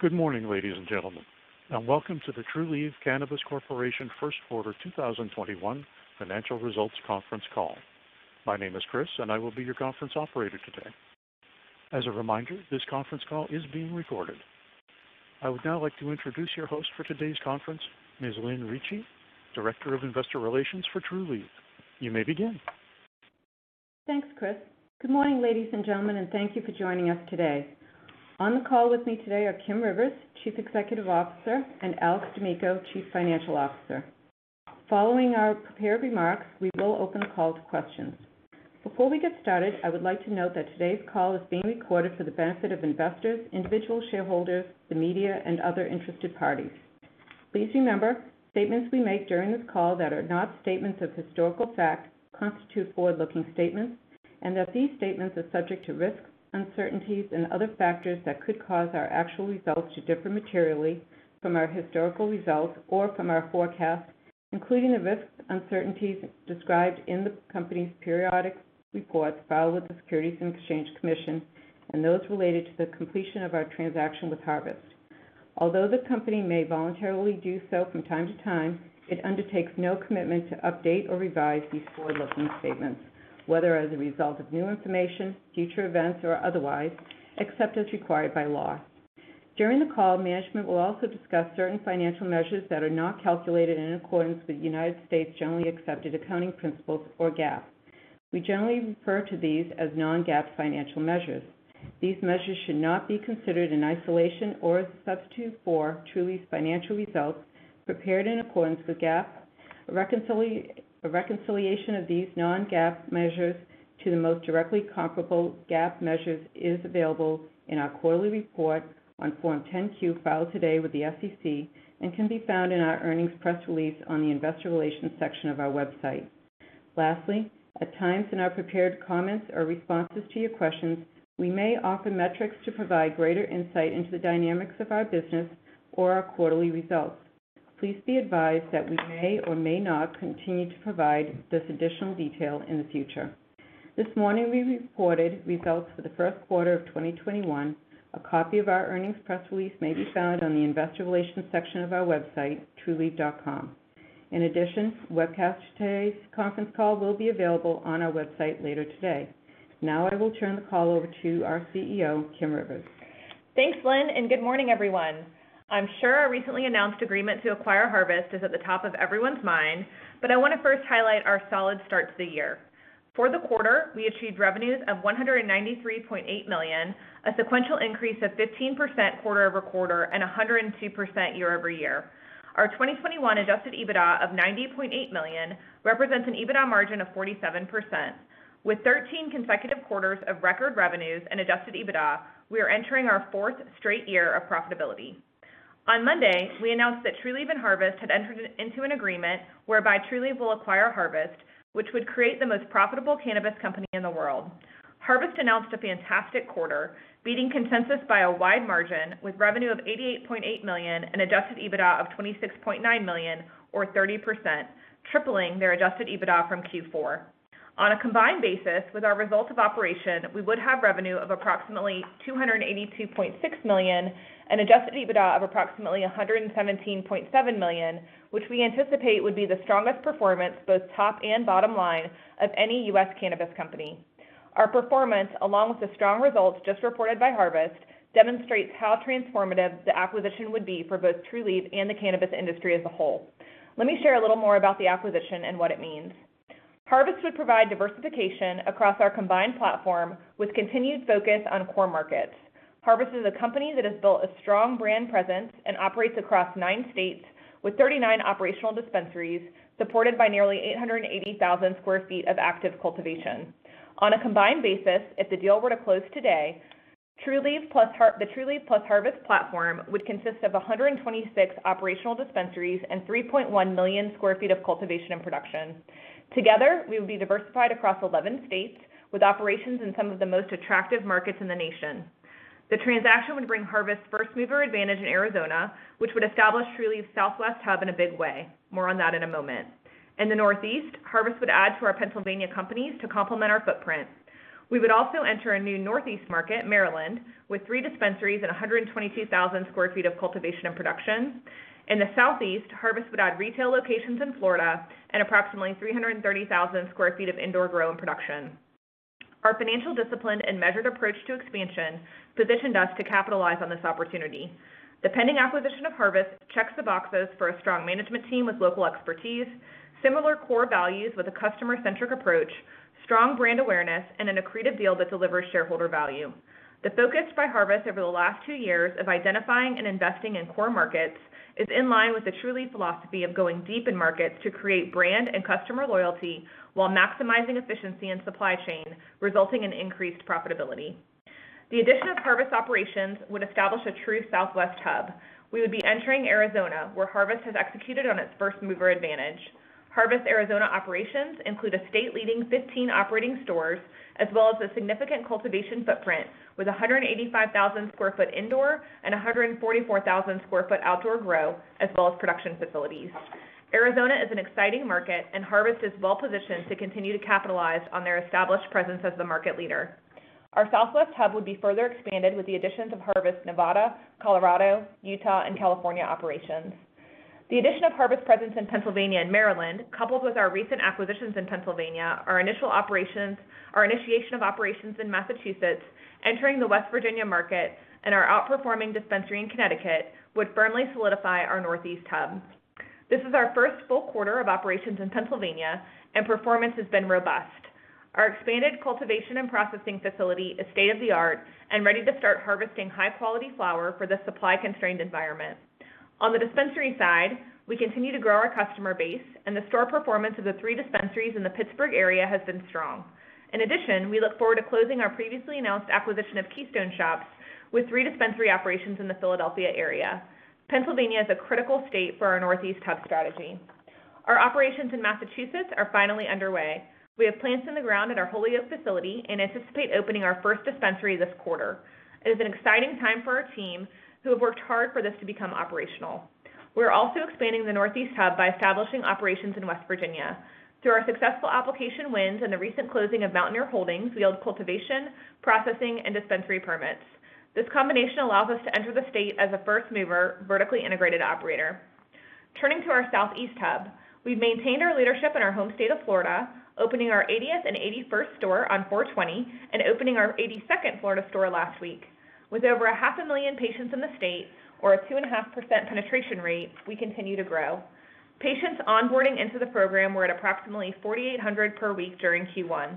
Good morning, ladies and gentlemen, welcome to the Trulieve Cannabis Corp. First Quarter 2021 Financial Results Conference Call. My name is Chris, and I will be your conference operator today. As a reminder, this conference call is being recorded. I would now like to introduce your host for today's conference, Ms. Lynn Ricci, Director of Investor Relations for Trulieve. You may begin. Thanks, Chris. Good morning, ladies and gentlemen, and thank you for joining us today. On the call with me today are Kim Rivers, Chief Executive Officer, and Alex D'Amico, Chief Financial Officer. Following our prepared remarks, we will open the call to questions. Before we get started, I would like to note that today's call is being recorded for the benefit of investors, individual shareholders, the media, and other interested parties. Please remember, statements we make during this call that are not statements of historical fact constitute forward-looking statements and that these statements are subject to risks, uncertainties, and other factors that could cause our actual results to differ materially from our historical results or from our forecasts, including the risks and uncertainties described in the company's periodic reports filed with the Securities and Exchange Commission and those related to the completion of our transaction with Harvest. Although the company may voluntarily do so from time to time, it undertakes no commitment to update or revise these forward-looking statements, whether as a result of new information, future events, or otherwise, except as required by law. During the call, management will also discuss certain financial measures that are not calculated in accordance with United States generally accepted accounting principles, or GAAP. We generally refer to these as non-GAAP financial measures. These measures should not be considered in isolation or as a substitute for Trulieve's financial results prepared in accordance with GAAP. A reconciliation of these non-GAAP measures to the most directly comparable GAAP measures is available in our quarterly report on Form 10-Q filed today with the SEC and can be found in our earnings press release on the investor relations section of our website. Lastly, at times in our prepared comments or responses to your questions, we may offer metrics to provide greater insight into the dynamics of our business or our quarterly results. Please be advised that we may or may not continue to provide this additional detail in the future. This morning, we reported results for the first quarter of 2021. A copy of our earnings press release may be found on the investor relations section of our website, trulieve.com. In addition, the webcast of today's conference call will be available on our website later today. Now I will turn the call over to our CEO, Kim Rivers. Thanks, Lynn, and good morning, everyone. I'm sure our recently announced agreement to acquire Harvest is at the top of everyone's mind, but I want to first highlight our solid start to the year. For the quarter, we achieved revenues of $193.8 million, a sequential increase of 15% quarter-over-quarter and 102% year-over-year. Our 2021 adjusted EBITDA of $90.8 million represents an EBITDA margin of 47%. With 13 consecutive quarters of record revenues and adjusted EBITDA, we are entering our fourth straight year of profitability. On Monday, we announced that Trulieve and Harvest had entered into an agreement whereby Trulieve will acquire Harvest, which would create the most profitable cannabis company in the world. Harvest announced a fantastic quarter, beating consensus by a wide margin with revenue of $88.8 million and adjusted EBITDA of $26.9 million or 30%, tripling their adjusted EBITDA from Q4. On a combined basis with our results of operation, we would have revenue of approximately $282.6 million and adjusted EBITDA of approximately $117.7 million, which we anticipate would be the strongest performance, both top and bottom line, of any U.S. cannabis company. Our performance, along with the strong results just reported by Harvest, demonstrates how transformative the acquisition would be for both Trulieve and the cannabis industry as a whole. Let me share a little more about the acquisition and what it means. Harvest would provide diversification across our combined platform with continued focus on core markets. Harvest is a company that has built a strong brand presence and operates across nine states with 39 operational dispensaries, supported by nearly 880,000 sq ft of active cultivation. On a combined basis, if the deal were to close today, the Trulieve plus Harvest platform would consist of 126 operational dispensaries and 3.1 million sq ft of cultivation and production. Together, we would be diversified across 11 states with operations in some of the most attractive markets in the nation. The transaction would bring Harvest first-mover advantage in Arizona, which would establish Trulieve's Southwest hub in a big way. More on that in a moment. In the Northeast, Harvest would add to our Pennsylvania companies to complement our footprint. We would also enter a new Northeast market, Maryland, with three dispensaries and 122,000 sq ft of cultivation and production. In the Southeast, Harvest would add retail locations in Florida and approximately 330,000 sq ft of indoor grow and production. Our financial discipline and measured approach to expansion positioned us to capitalize on this opportunity. The pending acquisition of Harvest checks the boxes for a strong management team with local expertise, similar core values with a customer-centric approach, strong brand awareness, and an accretive deal that delivers shareholder value. The focus by Harvest over the last two years of identifying and investing in core markets is in line with the Trulieve philosophy of going deep in markets to create brand and customer loyalty while maximizing efficiency and supply chain, resulting in increased profitability. The addition of Harvest operations would establish a true Southwest hub. We would be entering Arizona, where Harvest has executed on its first-mover advantage. Harvest Arizona operations include a state-leading 15 operating stores, as well as a significant cultivation footprint with 185,000 sq ft indoor and 144,000 sq ft outdoor grow, as well as production facilities. Arizona is an exciting market. Harvest is well-positioned to continue to capitalize on their established presence as the market leader. Our Southwest hub would be further expanded with the additions of Harvest Nevada, Colorado, Utah, and California operations. The addition of Harvest's presence in Pennsylvania and Maryland, coupled with our recent acquisitions in Pennsylvania, our initiation of operations in Massachusetts, entering the West Virginia market, and our outperforming dispensary in Connecticut would firmly solidify our Northeast hub. This is our first full quarter of operations in Pennsylvania. Performance has been robust. Our expanded cultivation and processing facility is state-of-the-art and ready to start harvesting high-quality flower for the supply-constrained environment. On the dispensary side, we continue to grow our customer base, and the store performance of the three dispensaries in the Pittsburgh area has been strong. In addition, we look forward to closing our previously announced acquisition of Keystone Shops, with three dispensary operations in the Philadelphia area. Pennsylvania is a critical state for our Northeast hub strategy. Our operations in Massachusetts are finally underway. We have plants in the ground at our Holyoke facility and anticipate opening our first dispensary this quarter. It is an exciting time for our team, who have worked hard for this to become operational. We are also expanding the Northeast hub by establishing operations in West Virginia. Through our successful application wins and the recent closing of Mountaineer Holdings, we hold cultivation, processing, and dispensary permits. This combination allows us to enter the state as a first-mover, vertically integrated operator. Turning to our Southeast hub, we've maintained our leadership in our home state of Florida, opening our 80th and 81st store on 4/20, opening our 82nd Florida store last week. With over a half a million patients in the state, or a 2.5% penetration rate, we continue to grow. Patients onboarding into the program were at approximately 4,800 per week during Q1.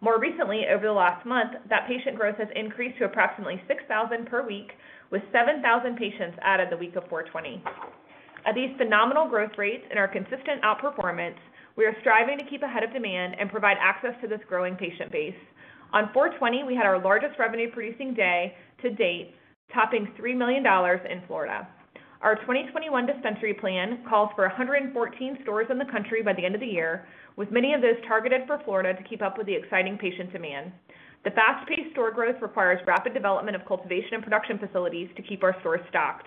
More recently, over the last month, that patient growth has increased to approximately 6,000 per week, with 7,000 patients added the week of 4/20. At these phenomenal growth rates and our consistent outperformance, we are striving to keep ahead of demand and provide access to this growing patient base. On 4/20, we had our largest revenue-producing day to date, topping $3 million in Florida. Our 2021 dispensary plan calls for 114 stores in the country by the end of the year, with many of those targeted for Florida to keep up with the exciting patient demand. The fast-paced store growth requires rapid development of cultivation and production facilities to keep our stores stocked.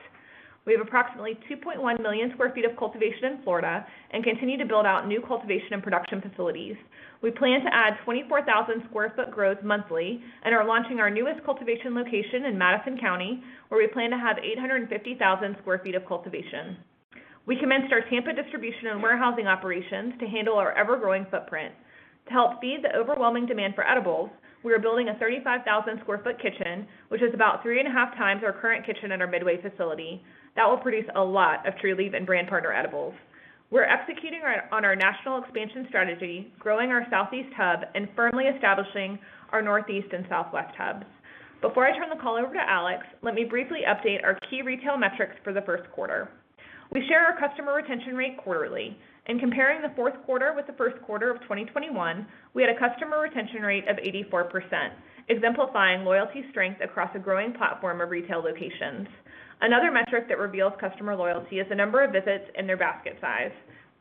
We have approximately 2.1 million square feet of cultivation in Florida and continue to build out new cultivation and production facilities. We plan to add 24,000-square-foot grows monthly and are launching our newest cultivation location in Madison County, where we plan to have 850,000 square feet of cultivation. We commenced our Tampa distribution and warehousing operations to handle our ever-growing footprint. To help feed the overwhelming demand for edibles, we are building a 35,000 square foot kitchen, which is about three and a half times our current kitchen at our Midway facility. That will produce a lot of Trulieve and brand partner edibles. We're executing on our national expansion strategy, growing our Southeast hub, and firmly establishing our Northeast and Southwest hubs. Before I turn the call over to Alex, let me briefly update our key retail metrics for the first quarter. We share our customer retention rate quarterly. In comparing the fourth quarter with the first quarter of 2021, we had a customer retention rate of 84%, exemplifying loyalty strength across a growing platform of retail locations. Another metric that reveals customer loyalty is the number of visits and their basket size.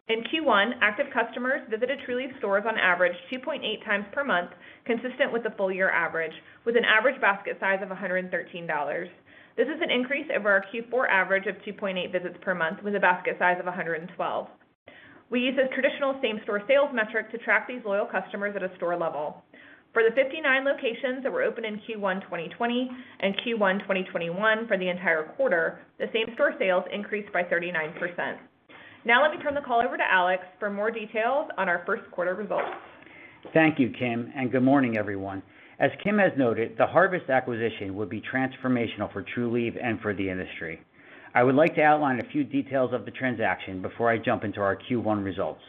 In Q1, active customers visited Trulieve stores on average 2.8 times per month, consistent with the full-year average, with an average basket size of $113. This is an increase over our Q4 average of 2.8 visits per month, with a basket size of $112. We use a traditional same-store sales metric to track these loyal customers at a store level. For the 59 locations that were open in Q1 2020 and Q1 2021 for the entire quarter, the same-store sales increased by 39%. Let me turn the call over to Alex for more details on our first quarter results. Thank you, Kim, and good morning, everyone. As Kim has noted, the Harvest acquisition will be transformational for Trulieve and for the industry. I would like to outline a few details of the transaction before I jump into our Q1 results.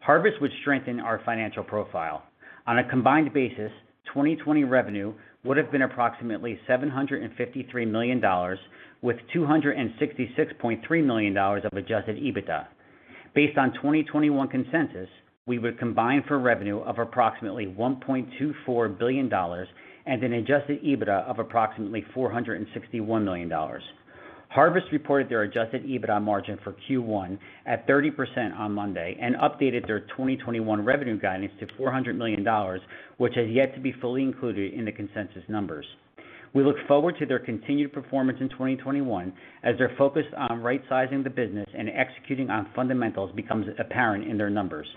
Harvest would strengthen our financial profile. On a combined basis, 2020 revenue would have been approximately $753 million, with $266.3 million of adjusted EBITDA. Based on 2021 consensus, we would combine for revenue of approximately $1.24 billion and an adjusted EBITDA of approximately $461 million. Harvest reported their adjusted EBITDA margin for Q1 at 30% on Monday and updated their 2021 revenue guidance to $400 million, which has yet to be fully included in the consensus numbers. We look forward to their continued performance in 2021, as their focus on rightsizing the business and executing on fundamentals becomes apparent in their numbers.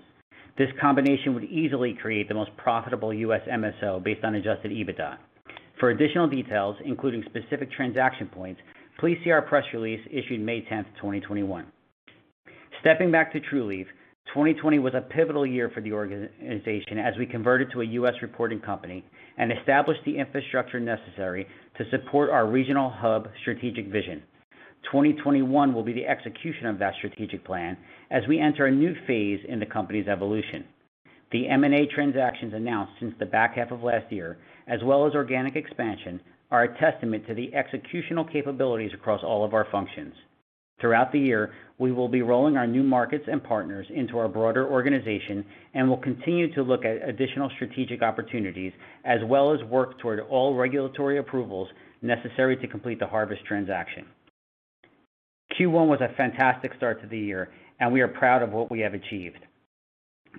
This combination would easily create the most profitable U.S. MSO based on adjusted EBITDA. For additional details, including specific transaction points, please see our press release issued May 10th, 2021. Stepping back to Trulieve, 2020 was a pivotal year for the organization as we converted to a U.S. reporting company and established the infrastructure necessary to support our regional hub strategic vision. 2021 will be the execution of that strategic plan as we enter a new phase in the company's evolution. The M&A transactions announced since the back half of last year, as well as organic expansion, are a testament to the executional capabilities across all of our functions. Throughout the year, we will be rolling our new markets and partners into our broader organization and will continue to look at additional strategic opportunities, as well as work toward all regulatory approvals necessary to complete the Harvest transaction. Q1 was a fantastic start to the year. We are proud of what we have achieved.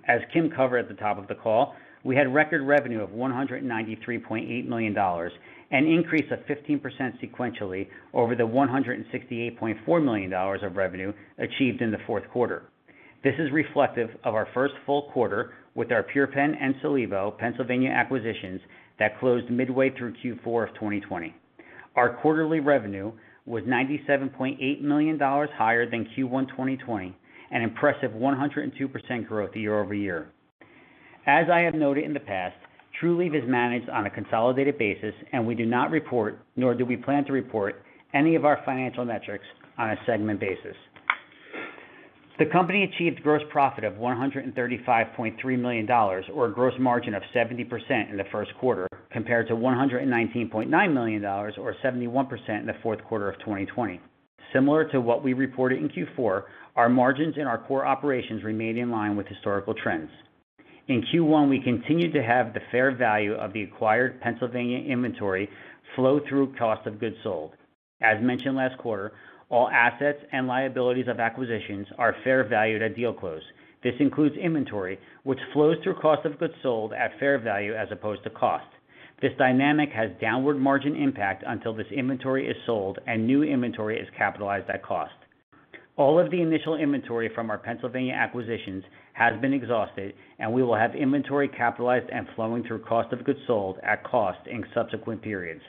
As Kim covered at the top of the call, we had record revenue of $193.8 million, an increase of 15% sequentially over the $168.4 million of revenue achieved in the fourth quarter. This is reflective of our first full quarter with our PurePenn and Solevo Pennsylvania acquisitions that closed midway through Q4 of 2020. Our quarterly revenue was $97.8 million higher than Q1 2020, an impressive 102% growth year-over-year. As I have noted in the past, Trulieve is managed on a consolidated basis. We do not report, nor do we plan to report, any of our financial metrics on a segment basis. The company achieved gross profit of $135.3 million, or a gross margin of 70% in the first quarter, compared to $119.9 million, or 71%, in the fourth quarter of 2020. Similar to what we reported in Q4, our margins in our core operations remained in line with historical trends. In Q1, we continued to have the fair value of the acquired Pennsylvania inventory flow through cost of goods sold. As mentioned last quarter, all assets and liabilities of acquisitions are fair valued at deal close. This includes inventory, which flows through cost of goods sold at fair value as opposed to cost. This dynamic has downward margin impact until this inventory is sold and new inventory is capitalized at cost. All of the initial inventory from our Pennsylvania acquisitions has been exhausted, and we will have inventory capitalized and flowing through cost of goods sold at cost in subsequent periods.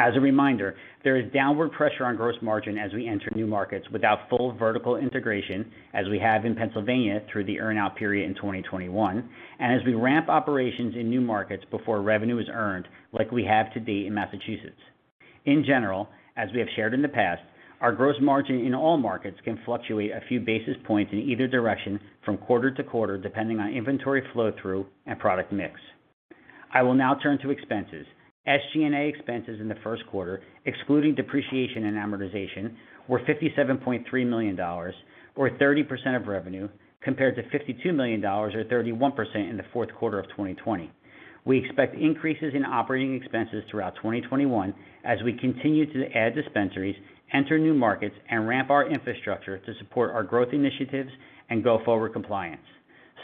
As a reminder, there is downward pressure on gross margin as we enter new markets without full vertical integration, as we have in Pennsylvania through the earn-out period in 2021, and as we ramp operations in new markets before revenue is earned, like we have to date in Massachusetts. In general, as we have shared in the past, our gross margin in all markets can fluctuate a few basis points in either direction from quarter to quarter, depending on inventory flow-through and product mix. I will now turn to expenses. SG&A expenses in the first quarter, excluding depreciation and amortization, were $57.3 million, or 30% of revenue, compared to $52 million, or 31%, in the fourth quarter of 2020. We expect increases in operating expenses throughout 2021 as we continue to add dispensaries, enter new markets, and ramp our infrastructure to support our growth initiatives and go-forward compliance.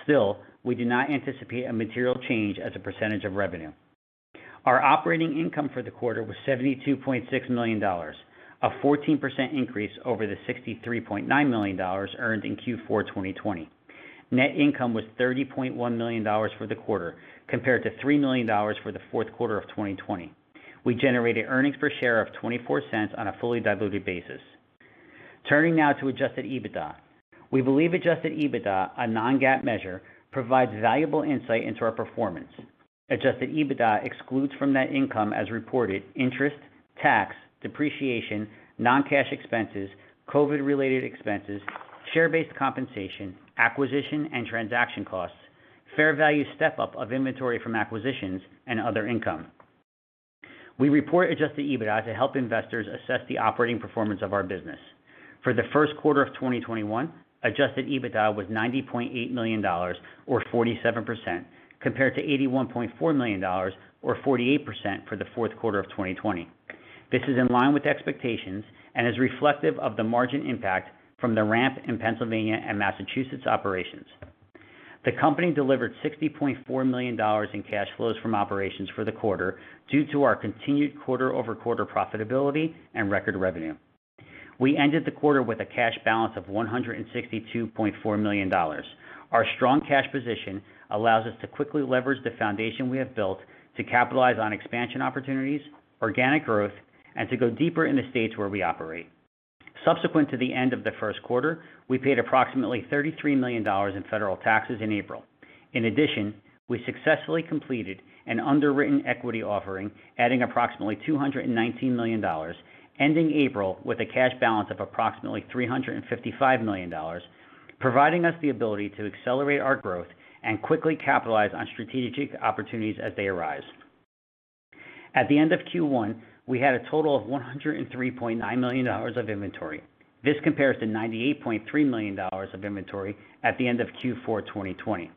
Still, we do not anticipate a material change as a percentage of revenue. Our operating income for the quarter was $72.6 million, a 14% increase over the $63.9 million earned in Q4 2020. Net income was $30.1 million for the quarter, compared to $3 million for the fourth quarter of 2020. We generated earnings per share of $0.24 on a fully diluted basis. Turning now to adjusted EBITDA. We believe adjusted EBITDA, a non-GAAP measure, provides valuable insight into our performance. Adjusted EBITDA excludes from net income, as reported, interest, tax, depreciation, non-cash expenses, COVID-related expenses, share-based compensation, acquisition and transaction costs, fair value step-up of inventory from acquisitions, and other income. We report adjusted EBITDA to help investors assess the operating performance of our business. For the first quarter of 2021, adjusted EBITDA was $90.8 million, or 47%, compared to $81.4 million, or 48%, for the fourth quarter of 2020. This is in line with expectations and is reflective of the margin impact from the ramp in Pennsylvania and Massachusetts operations. The company delivered $60.4 million in cash flows from operations for the quarter, due to our continued quarter-over-quarter profitability and record revenue. We ended the quarter with a cash balance of $162.4 million. Our strong cash position allows us to quickly leverage the foundation we have built to capitalize on expansion opportunities, organic growth, and to go deeper in the states where we operate. Subsequent to the end of the first quarter, we paid approximately $33 million in federal taxes in April. We successfully completed an underwritten equity offering, adding approximately $219 million, ending April with a cash balance of approximately $355 million, providing us the ability to accelerate our growth and quickly capitalize on strategic opportunities as they arise. At the end of Q1, we had a total of $103.9 million of inventory. This compares to $98.3 million of inventory at the end of Q4 2020.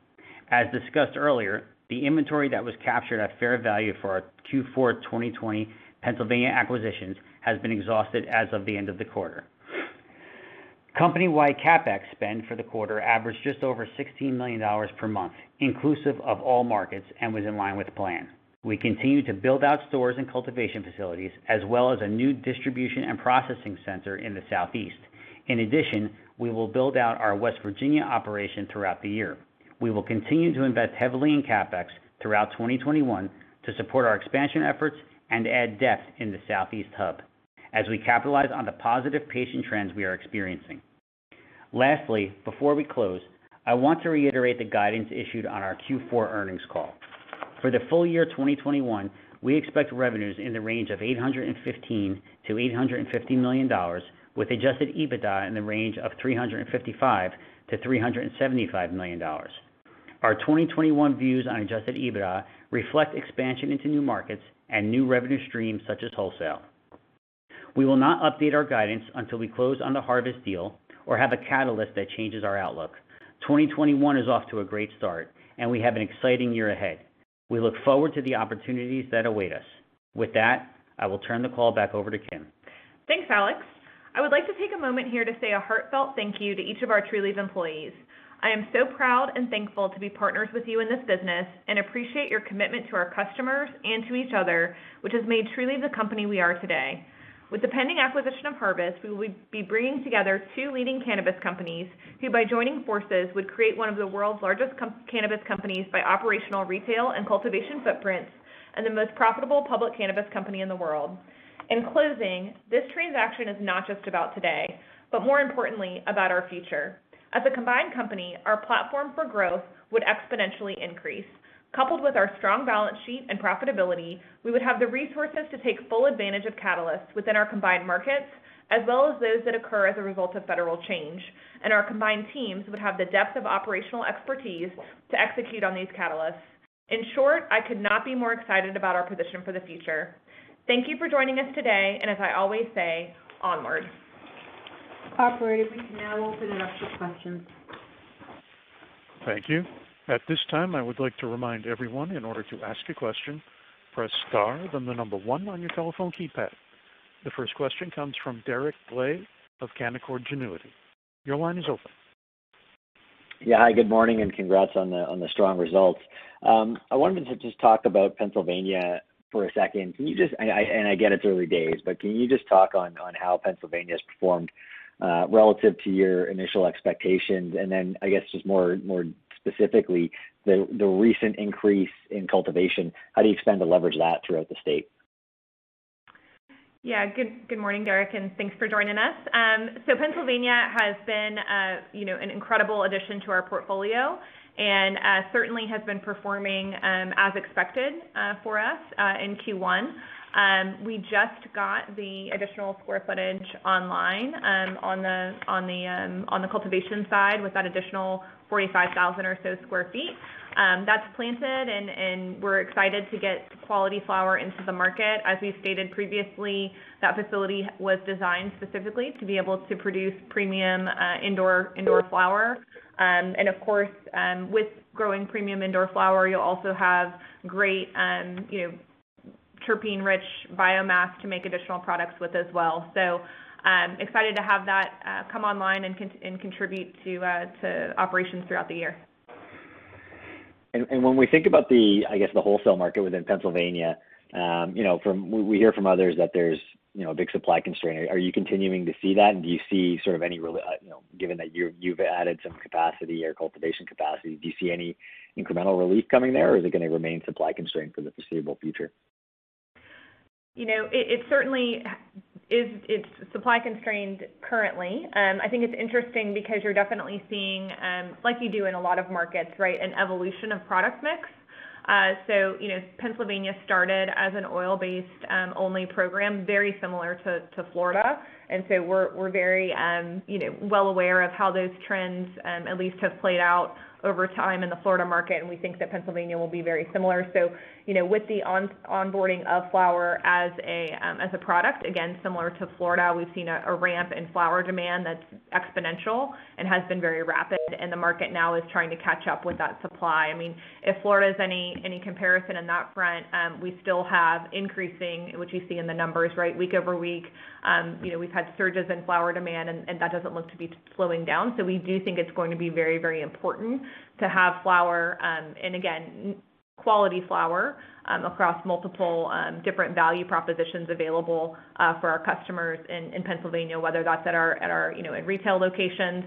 As discussed earlier, the inventory that was captured at fair value for our Q4 2020 Pennsylvania acquisitions has been exhausted as of the end of the quarter. Company-wide CapEx spend for the quarter averaged just over $16 million per month, inclusive of all markets, and was in line with plan. We continue to build out stores and cultivation facilities, as well as a new distribution and processing center in the Southeast. In addition, we will build out our West Virginia operation throughout the year. We will continue to invest heavily in CapEx throughout 2021 to support our expansion efforts and add depth in the Southeast hub as we capitalize on the positive patient trends we are experiencing. Lastly, before we close, I want to reiterate the guidance issued on our Q4 earnings call. For the full year 2021, we expect revenues in the range of $815 million to $850 million, with adjusted EBITDA in the range of $355 million to $375 million. Our 2021 views on adjusted EBITDA reflect expansion into new markets and new revenue streams such as wholesale. We will not update our guidance until we close on the Harvest deal or have a catalyst that changes our outlook. 2021 is off to a great start, and we have an exciting year ahead. We look forward to the opportunities that await us. With that, I will turn the call back over to Kim. Thanks, Alex. I would like to take a moment here to say a heartfelt thank you to each of our Trulieve employees. I am so proud and thankful to be partners with you in this business and appreciate your commitment to our customers and to each other, which has made Trulieve the company we are today. With the pending acquisition of Harvest, we will be bringing together two leading cannabis companies, who by joining forces, would create one of the world's largest cannabis companies by operational retail and cultivation footprints, and the most profitable public cannabis company in the world. In closing, this transaction is not just about today, but more importantly, about our future. As a combined company, our platform for growth would exponentially increase. Coupled with our strong balance sheet and profitability, we would have the resources to take full advantage of catalysts within our combined markets, as well as those that occur as a result of federal change, and our combined teams would have the depth of operational expertise to execute on these catalysts. In short, I could not be more excited about our position for the future. Thank you for joining us today, and as I always say, onward. Operator, we can now open it up for questions. Thank you. At this time, I would like to remind everyone, in order to ask a question, press star, then the number one on your telephone keypad. The first question comes from Derek Dley of Canaccord Genuity. Your line is open. Yeah. Hi, good morning. Congrats on the strong results. I wanted to just talk about Pennsylvania for a second. I get it's early days. Can you just talk on how Pennsylvania has performed, relative to your initial expectations? I guess just more specifically, the recent increase in cultivation, how do you expect to leverage that throughout the state? Yeah. Good morning, Derek, thanks for joining us. Pennsylvania has been an incredible addition to our portfolio and certainly has been performing as expected for us in Q1. We just got the additional square footage online on the cultivation side with that additional 45,000 or so sq ft. That's planted we're excited to get quality flower into the market. As we've stated previously, that facility was designed specifically to be able to produce premium indoor flower. Of course, with growing premium indoor flower, you'll also have great terpene-rich biomass to make additional products with as well. Excited to have that come online and contribute to operations throughout the year. When we think about, I guess, the wholesale market within Pennsylvania, we hear from others that there's a big supply constraint. Are you continuing to see that? Given that you've added some capacity or cultivation capacity, do you see any incremental relief coming there, or is it going to remain supply constrained for the foreseeable future? It's supply constrained currently. It's interesting because you're definitely seeing, like you do in a lot of markets, an evolution of product mix. Pennsylvania started as an oil-based only program, very similar to Florida. We're very well aware of how those trends at least have played out over time in the Florida market, and we think that Pennsylvania will be very similar. With the onboarding of flower as a product, again, similar to Florida, we've seen a ramp in flower demand that's exponential and has been very rapid, and the market now is trying to catch up with that supply. If Florida is any comparison in that front, we still have increasing, which you see in the numbers, week over week. We've had surges in flower demand and that doesn't look to be slowing down. We do think it's going to be very important to have flower, and again, quality flower, across multiple different value propositions available for our customers in Pennsylvania, whether that's at our retail locations,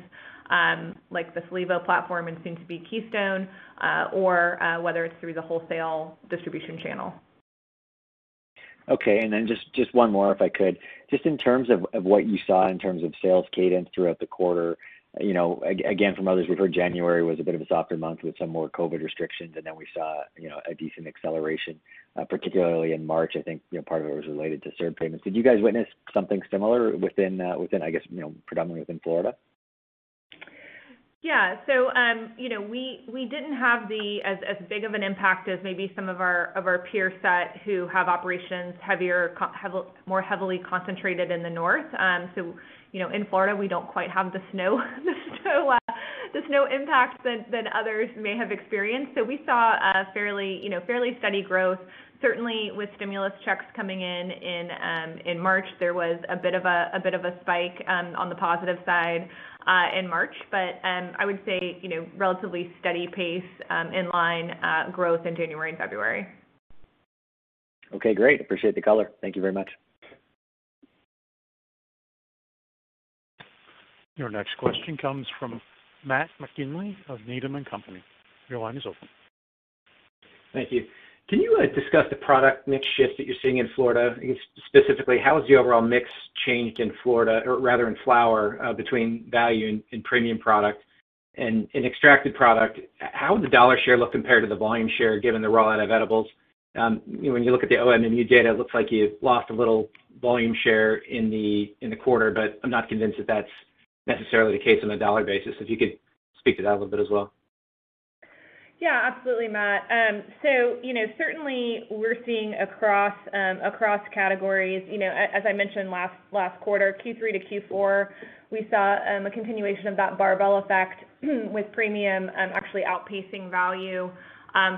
like the Solevo platform and soon to be Keystone, or whether it's through the wholesale distribution channel. Okay, just one more, if I could. Just in terms of what you saw in terms of sales cadence throughout the quarter, again, from others, we've heard January was a bit of a softer month with some more COVID restrictions, we saw a decent acceleration, particularly in March. I think part of it was related to CERB payments. Did you guys witness something similar within, I guess, predominantly within Florida? We didn't have as big of an impact as maybe some of our peers who have operations more heavily concentrated in the north. In Florida, we don't quite have the snow impact that others may have experienced. We saw a fairly steady growth. Certainly with stimulus checks coming in in March, there was a bit of a spike on the positive side in March. I would say relatively steady pace, inline growth in January and February. Okay, great. Appreciate the color. Thank you very much. Your next question comes from Matt McGinley of Needham & Company. Your line is open. Thank you. Can you discuss the product mix shift that you're seeing in Florida? Specifically, how has the overall mix changed in Florida, or rather in flower, between value and premium product and extracted product? How would the dollar share look compared to the volume share given the rollout of edibles? When you look at the OMMU data, it looks like you've lost a little volume share in the quarter, but I'm not convinced that that's necessarily the case on a dollar basis. If you could speak to that a little bit as well. Yeah, absolutely, Matt. Certainly, we're seeing across categories. As I mentioned last quarter, Q3 to Q4, we saw a continuation of that barbell effect with premium actually outpacing value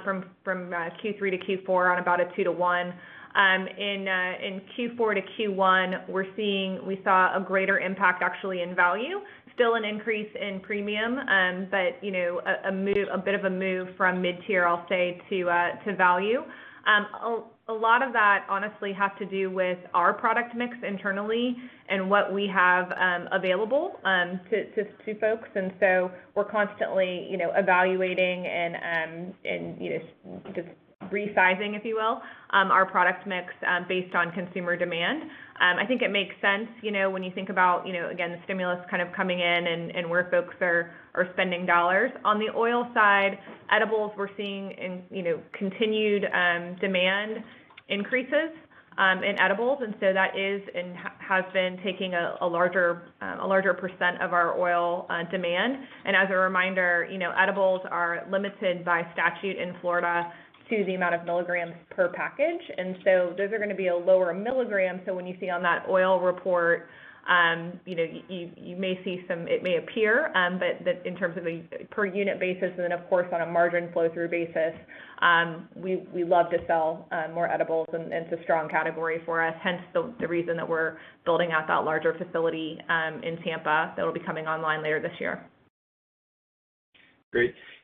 from Q3 to Q4 on about a two to one. In Q4 to Q1, we saw a greater impact actually in value, still an increase in premium. A bit of a move from mid-tier, I'll say, to value. A lot of that honestly has to do with our product mix internally and what we have available to folks. We're constantly evaluating and just resizing, if you will, our product mix based on consumer demand. I think it makes sense when you think about, again, the stimulus coming in and where folks are spending dollars. On the oil side, edibles we're seeing in continued demand increases in edibles. That is and has been taking a larger percentage of our oil demand. As a reminder, edibles are limited by statute in Florida to the amount of milligrams per package. Those are going to be a lower milligram. When you see on that oil report, it may appear, but in terms of a per unit basis, and then of course, on a margin flow through basis, we love to sell more edibles, and it's a strong category for us, hence the reason that we're building out that larger facility in Tampa that'll be coming online later this year.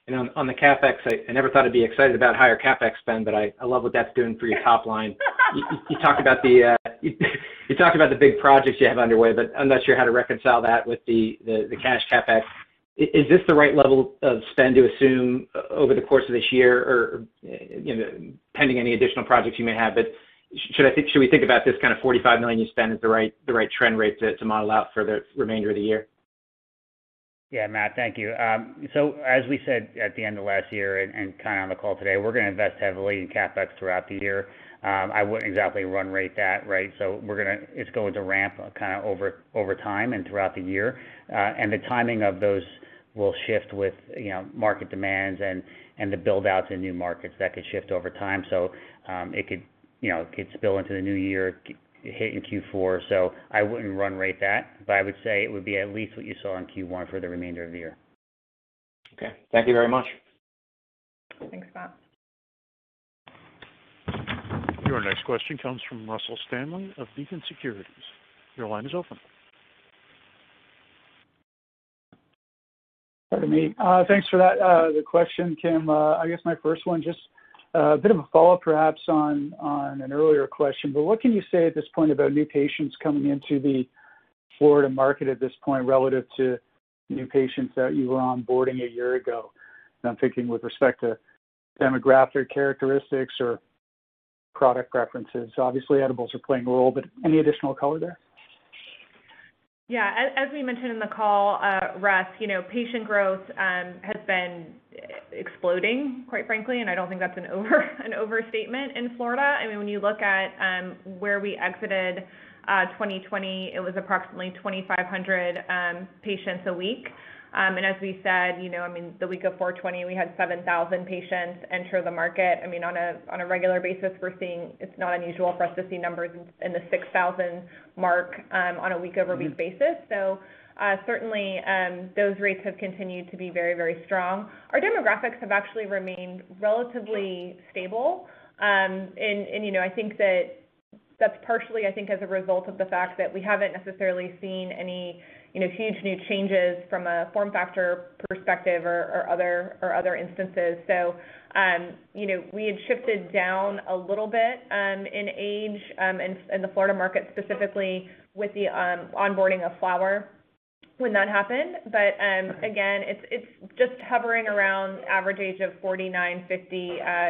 Great. On the CapEx, I never thought I'd be excited about higher CapEx spend, but I love what that's doing for your top line. You talked about the big projects you have underway, but I'm not sure how to reconcile that with the cash CapEx. Is this the right level of spend to assume over the course of this year, or pending any additional projects you may have? Should we think about this kind of $45 million you spend as the right trend rate to model out for the remainder of the year? Yeah, Matt, thank you. As we said at the end of last year and on the call today, we're going to invest heavily in CapEx throughout the year. I wouldn't exactly run rate that, right? It's going to ramp over time and throughout the year. The timing of those will shift with market demands and the build-outs in new markets that could shift over time. It could spill into the new year, hit in Q4. I wouldn't run rate that, but I would say it would be at least what you saw in Q1 for the remainder of the year. Okay. Thank you very much. Thanks, Matt. Your next question comes from Russell Stanley of Beacon Securities. Your line is open. Pardon me. Thanks for that. The question, Kim, I guess my first one, just a bit of a follow-up, perhaps, on an earlier question, what can you say at this point about new patients coming into the Florida market at this point relative to new patients that you were onboarding a year ago? I'm thinking with respect to demographic characteristics or product preferences. Obviously, edibles are playing a role, any additional color there? Yeah. As we mentioned in the call, Russ, patient growth has been exploding, quite frankly, and I don't think that's an overstatement in Florida. When you look at where we exited 2020, it was approximately 2,500 patients a week. As we said, the week of 4/20, we had 7,000 patients enter the market. On a regular basis, it's not unusual for us to see numbers in the 6,000 mark on a week-over-week basis. Certainly, those rates have continued to be very strong. Our demographics have actually remained relatively stable. I think that that's partially as a result of the fact that we haven't necessarily seen any huge new changes from a form factor perspective or other instances. We had shifted down a little bit in age in the Florida market, specifically with the onboarding of flower when that happened. Again, it's just hovering around average age of 49, 50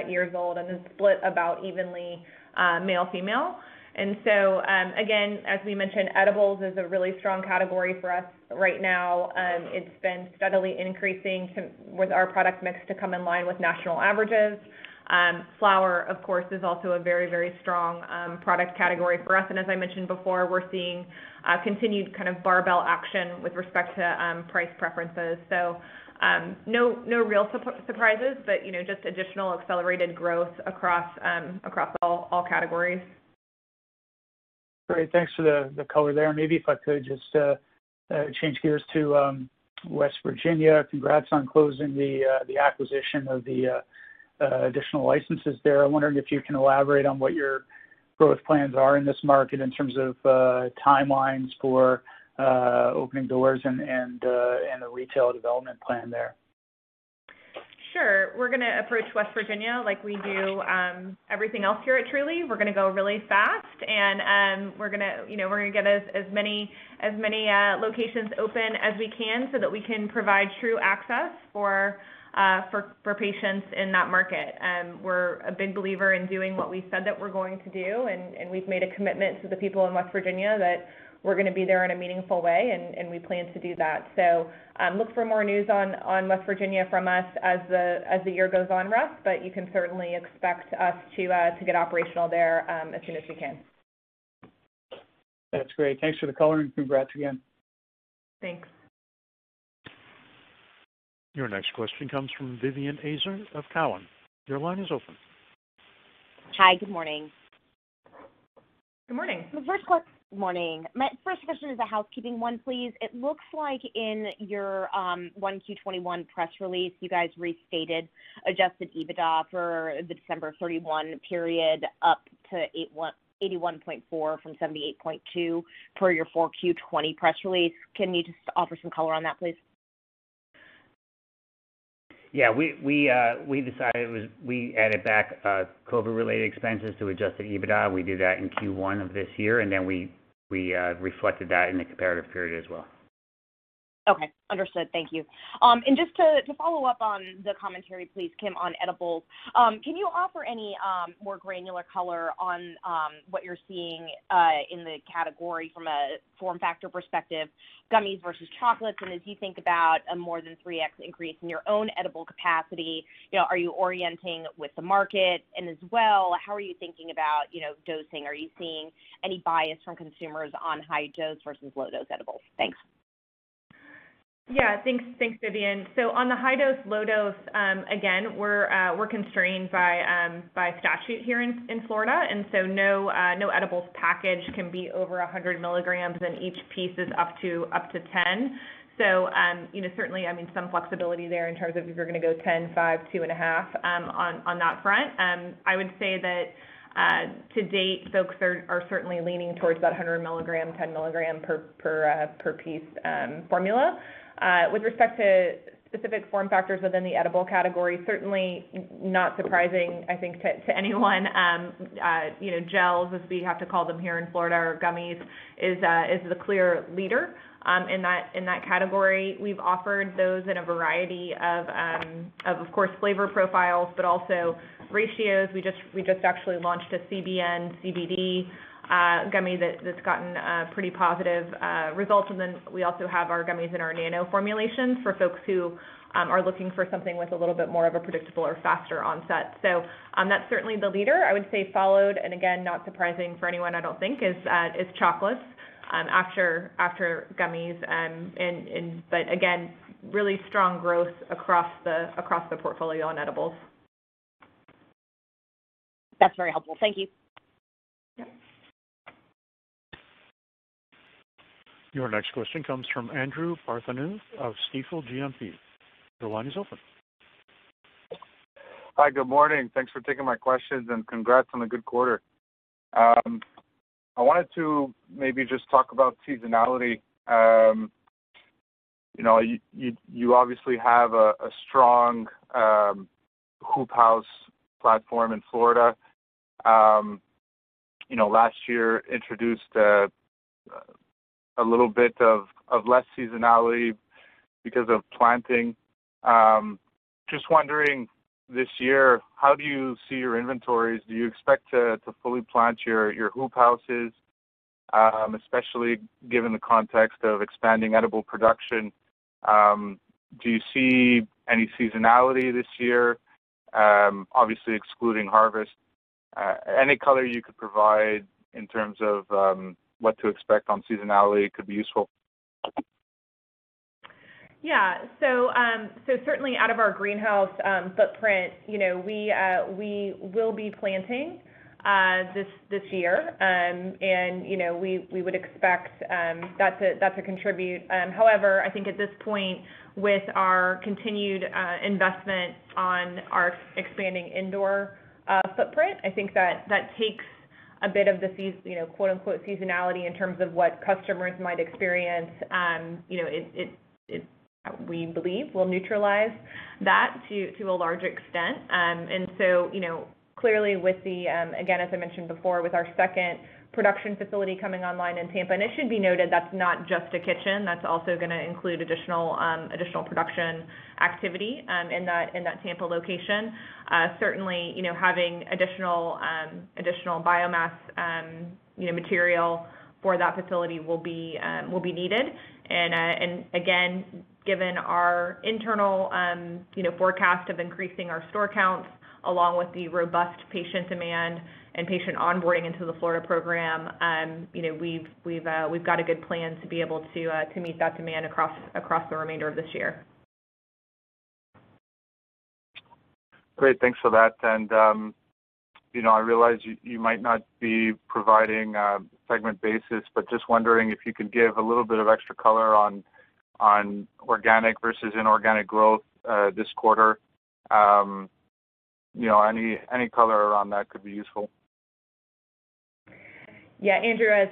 years old, and then split about evenly male, female. Again, as we mentioned, edibles is a really strong category for us right now. It's been steadily increasing with our product mix to come in line with national averages. Flower, of course, is also a very strong product category for us. As I mentioned before, we're seeing continued barbell action with respect to price preferences. No real surprises, but just additional accelerated growth across all categories. Great. Thanks for the color there. Maybe if I could just change gears to West Virginia. Congrats on closing the acquisition of the additional licenses there. I'm wondering if you can elaborate on what your growth plans are in this market in terms of timelines for opening doors and the retail development plan there. Sure. We're going to approach West Virginia like we do everything else here at Trulieve. We're going to go really fast, and we're going to get as many locations open as we can so that we can provide true access for patients in that market. We're a big believer in doing what we said that we're going to do, and we've made a commitment to the people in West Virginia that we're going to be there in a meaningful way, and we plan to do that. Look for more news on West Virginia from us as the year goes on, Russ, but you can certainly expect us to get operational there as soon as we can. That's great. Thanks for the color. Congrats again. Thanks. Your next question comes from Vivien Azer of Cowen. Your line is open. Hi. Good morning. Good morning. Good morning. My first question is a housekeeping one, please. It looks like in your 1Q21 press release, you guys restated adjusted EBITDA for the December 31 period up to $81.4 from $78.2 per your 4Q20 press release. Can you just offer some color on that, please? Yeah. We added back COVID-related expenses to adjusted EBITDA. We did that in Q1 of this year. We reflected that in the comparative period as well. Okay. Understood. Thank you. Just to follow up on the commentary, please, Kim, on edibles. Can you offer any more granular color on what you're seeing in the category from a form factor perspective, gummies versus chocolates? As you think about a more than 3x increase in your own edible capacity, are you orienting with the market? As well, how are you thinking about dosing? Are you seeing any bias from consumers on high-dose versus low-dose edibles? Thanks. Yeah. Thanks, Vivien. On the high-dose, low-dose, again, we're constrained by statute here in Florida. No edibles package can be over 100 milligrams, and each piece is up to 10. Certainly, some flexibility there in terms of if you're going to go 10, five, two and a half on that front. I would say that to date, folks are certainly leaning towards that 100 milligram, 10 milligram per piece formula. With respect to specific form factors within the edible category, certainly not surprising, I think, to anyone, gels, as we have to call them here in Florida, or gummies, is the clear leader in that category. We've offered those in a variety of course flavor profiles, but also ratios. We just actually launched a CBN, CBD gummy that's gotten pretty positive results. We also have our gummies in our nano formulations for folks who are looking for something with a little bit more of a predictable or faster onset. That's certainly the leader. I would say followed, and again, not surprising for anyone, I don't think, is chocolates after gummies. Again, really strong growth across the portfolio on edibles. That's very helpful. Thank you. Yep. Your next question comes from Andrew Partheniou of Stifel GMP. Your line is open. Hi. Good morning. Thanks for taking my questions, and congrats on a good quarter. I wanted to maybe just talk about seasonality. You obviously have a strong hoop house platform in Florida. Last year introduced a little bit of less seasonality because of planting. Wondering this year, how do you see your inventories? Do you expect to fully plant your hoop houses, especially given the context of expanding edible production? Do you see any seasonality this year, obviously excluding harvest? Any color you could provide in terms of what to expect on seasonality could be useful. Yeah. Certainly out of our greenhouse footprint, we will be planting this year. We would expect that to contribute. However, I think at this point with our continued investment on our expanding indoor footprint, I think that takes a bit of the "seasonality" in terms of what customers might experience. We believe we'll neutralize that to a large extent. Clearly, again, as I mentioned before, with our second production facility coming online in Tampa, and it should be noted, that's not just a kitchen, that's also going to include additional production activity in that Tampa location. Certainly, having additional biomass material for that facility will be needed. Again, given our internal forecast of increasing our store counts, along with the robust patient demand and patient onboarding into the Florida program, we've got a good plan to be able to meet that demand across the remainder of this year. Great. Thanks for that. I realize you might not be providing a segment basis, but just wondering if you could give a little bit of extra color on organic versus inorganic growth, this quarter. Any color around that could be useful. Yeah, Andrew, as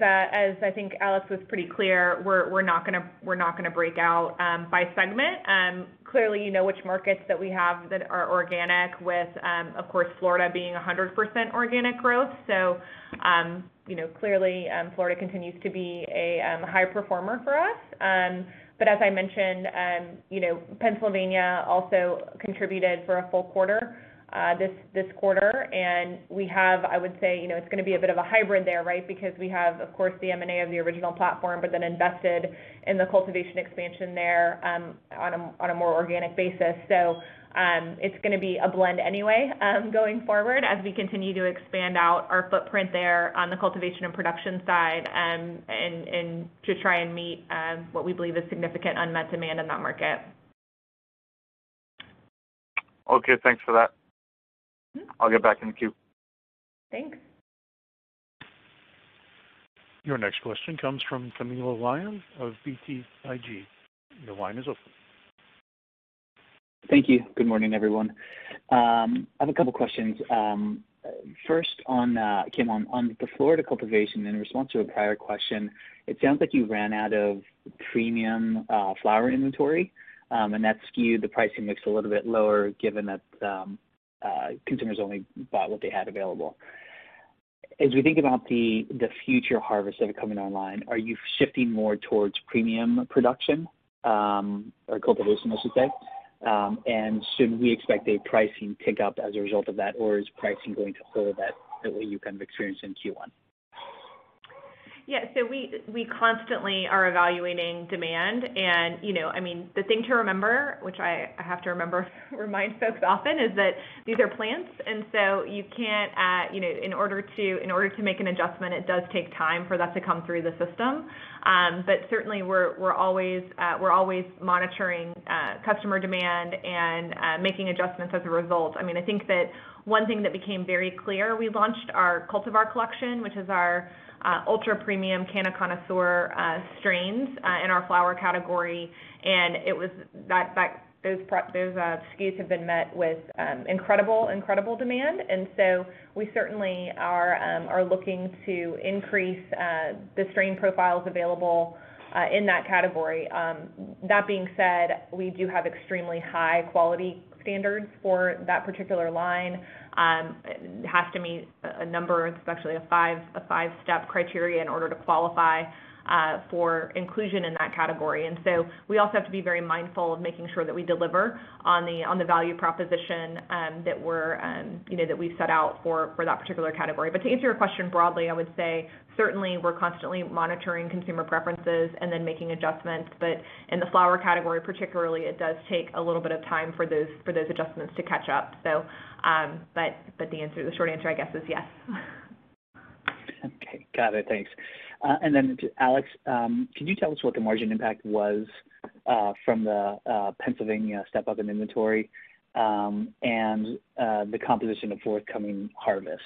I think Alex was pretty clear, we're not going to break out by segment. Clearly, you know which markets that we have that are organic with, of course, Florida being 100% organic growth. Clearly, Florida continues to be a high performer for us. As I mentioned, Pennsylvania also contributed for a full quarter this quarter. We have, I would say, it's going to be a bit of a hybrid there, right? Because we have, of course, the M&A of the original platform, but then invested in the cultivation expansion there on a more organic basis. It's going to be a blend anyway going forward as we continue to expand out our footprint there on the cultivation and production side to try and meet what we believe is significant unmet demand in that market. Okay, thanks for that. I'll get back in the queue. Thanks. Your next question comes from Camilo Lyon of BTIG. Your line is open. Thank you. Good morning, everyone. I have a couple questions. First, Kim Rivers, on the Florida cultivation, in response to a prior question, it sounds like you ran out of premium flower inventory, and that skewed the pricing mix a little bit lower, given that consumers only bought what they had available. As we think about the future harvests that are coming online, are you shifting more towards premium production? Or cultivation, I should say. Should we expect a pricing tick-up as a result of that, or is pricing going to hold at the way you kind of experienced in Q1? We constantly are evaluating demand, and the thing to remember, which I have to remember to remind folks often, is that these are plants, in order to make an adjustment, it does take time for that to come through the system. We're always monitoring customer demand and making adjustments as a result. One thing that became very clear, we launched our Cultivar Collection, which is our ultra-premium cannabis connoisseur strains in our flower category, those SKUs have been met with incredible demand. We certainly are looking to increase the strain profiles available in that category. That being said, we do have extremely high quality standards for that particular line. It has to meet a number, it's actually a five-step criteria, in order to qualify for inclusion in that category. We also have to be very mindful of making sure that we deliver on the value proposition that we've set out for that particular category. To answer your question broadly, I would say certainly we're constantly monitoring consumer preferences and then making adjustments. In the flower category particularly, it does take a little bit of time for those adjustments to catch up. The short answer, I guess, is yes. Okay. Got it. Thanks. Then to Alex, can you tell us what the margin impact was from the Pennsylvania step-up in inventory, and the composition of forthcoming harvests?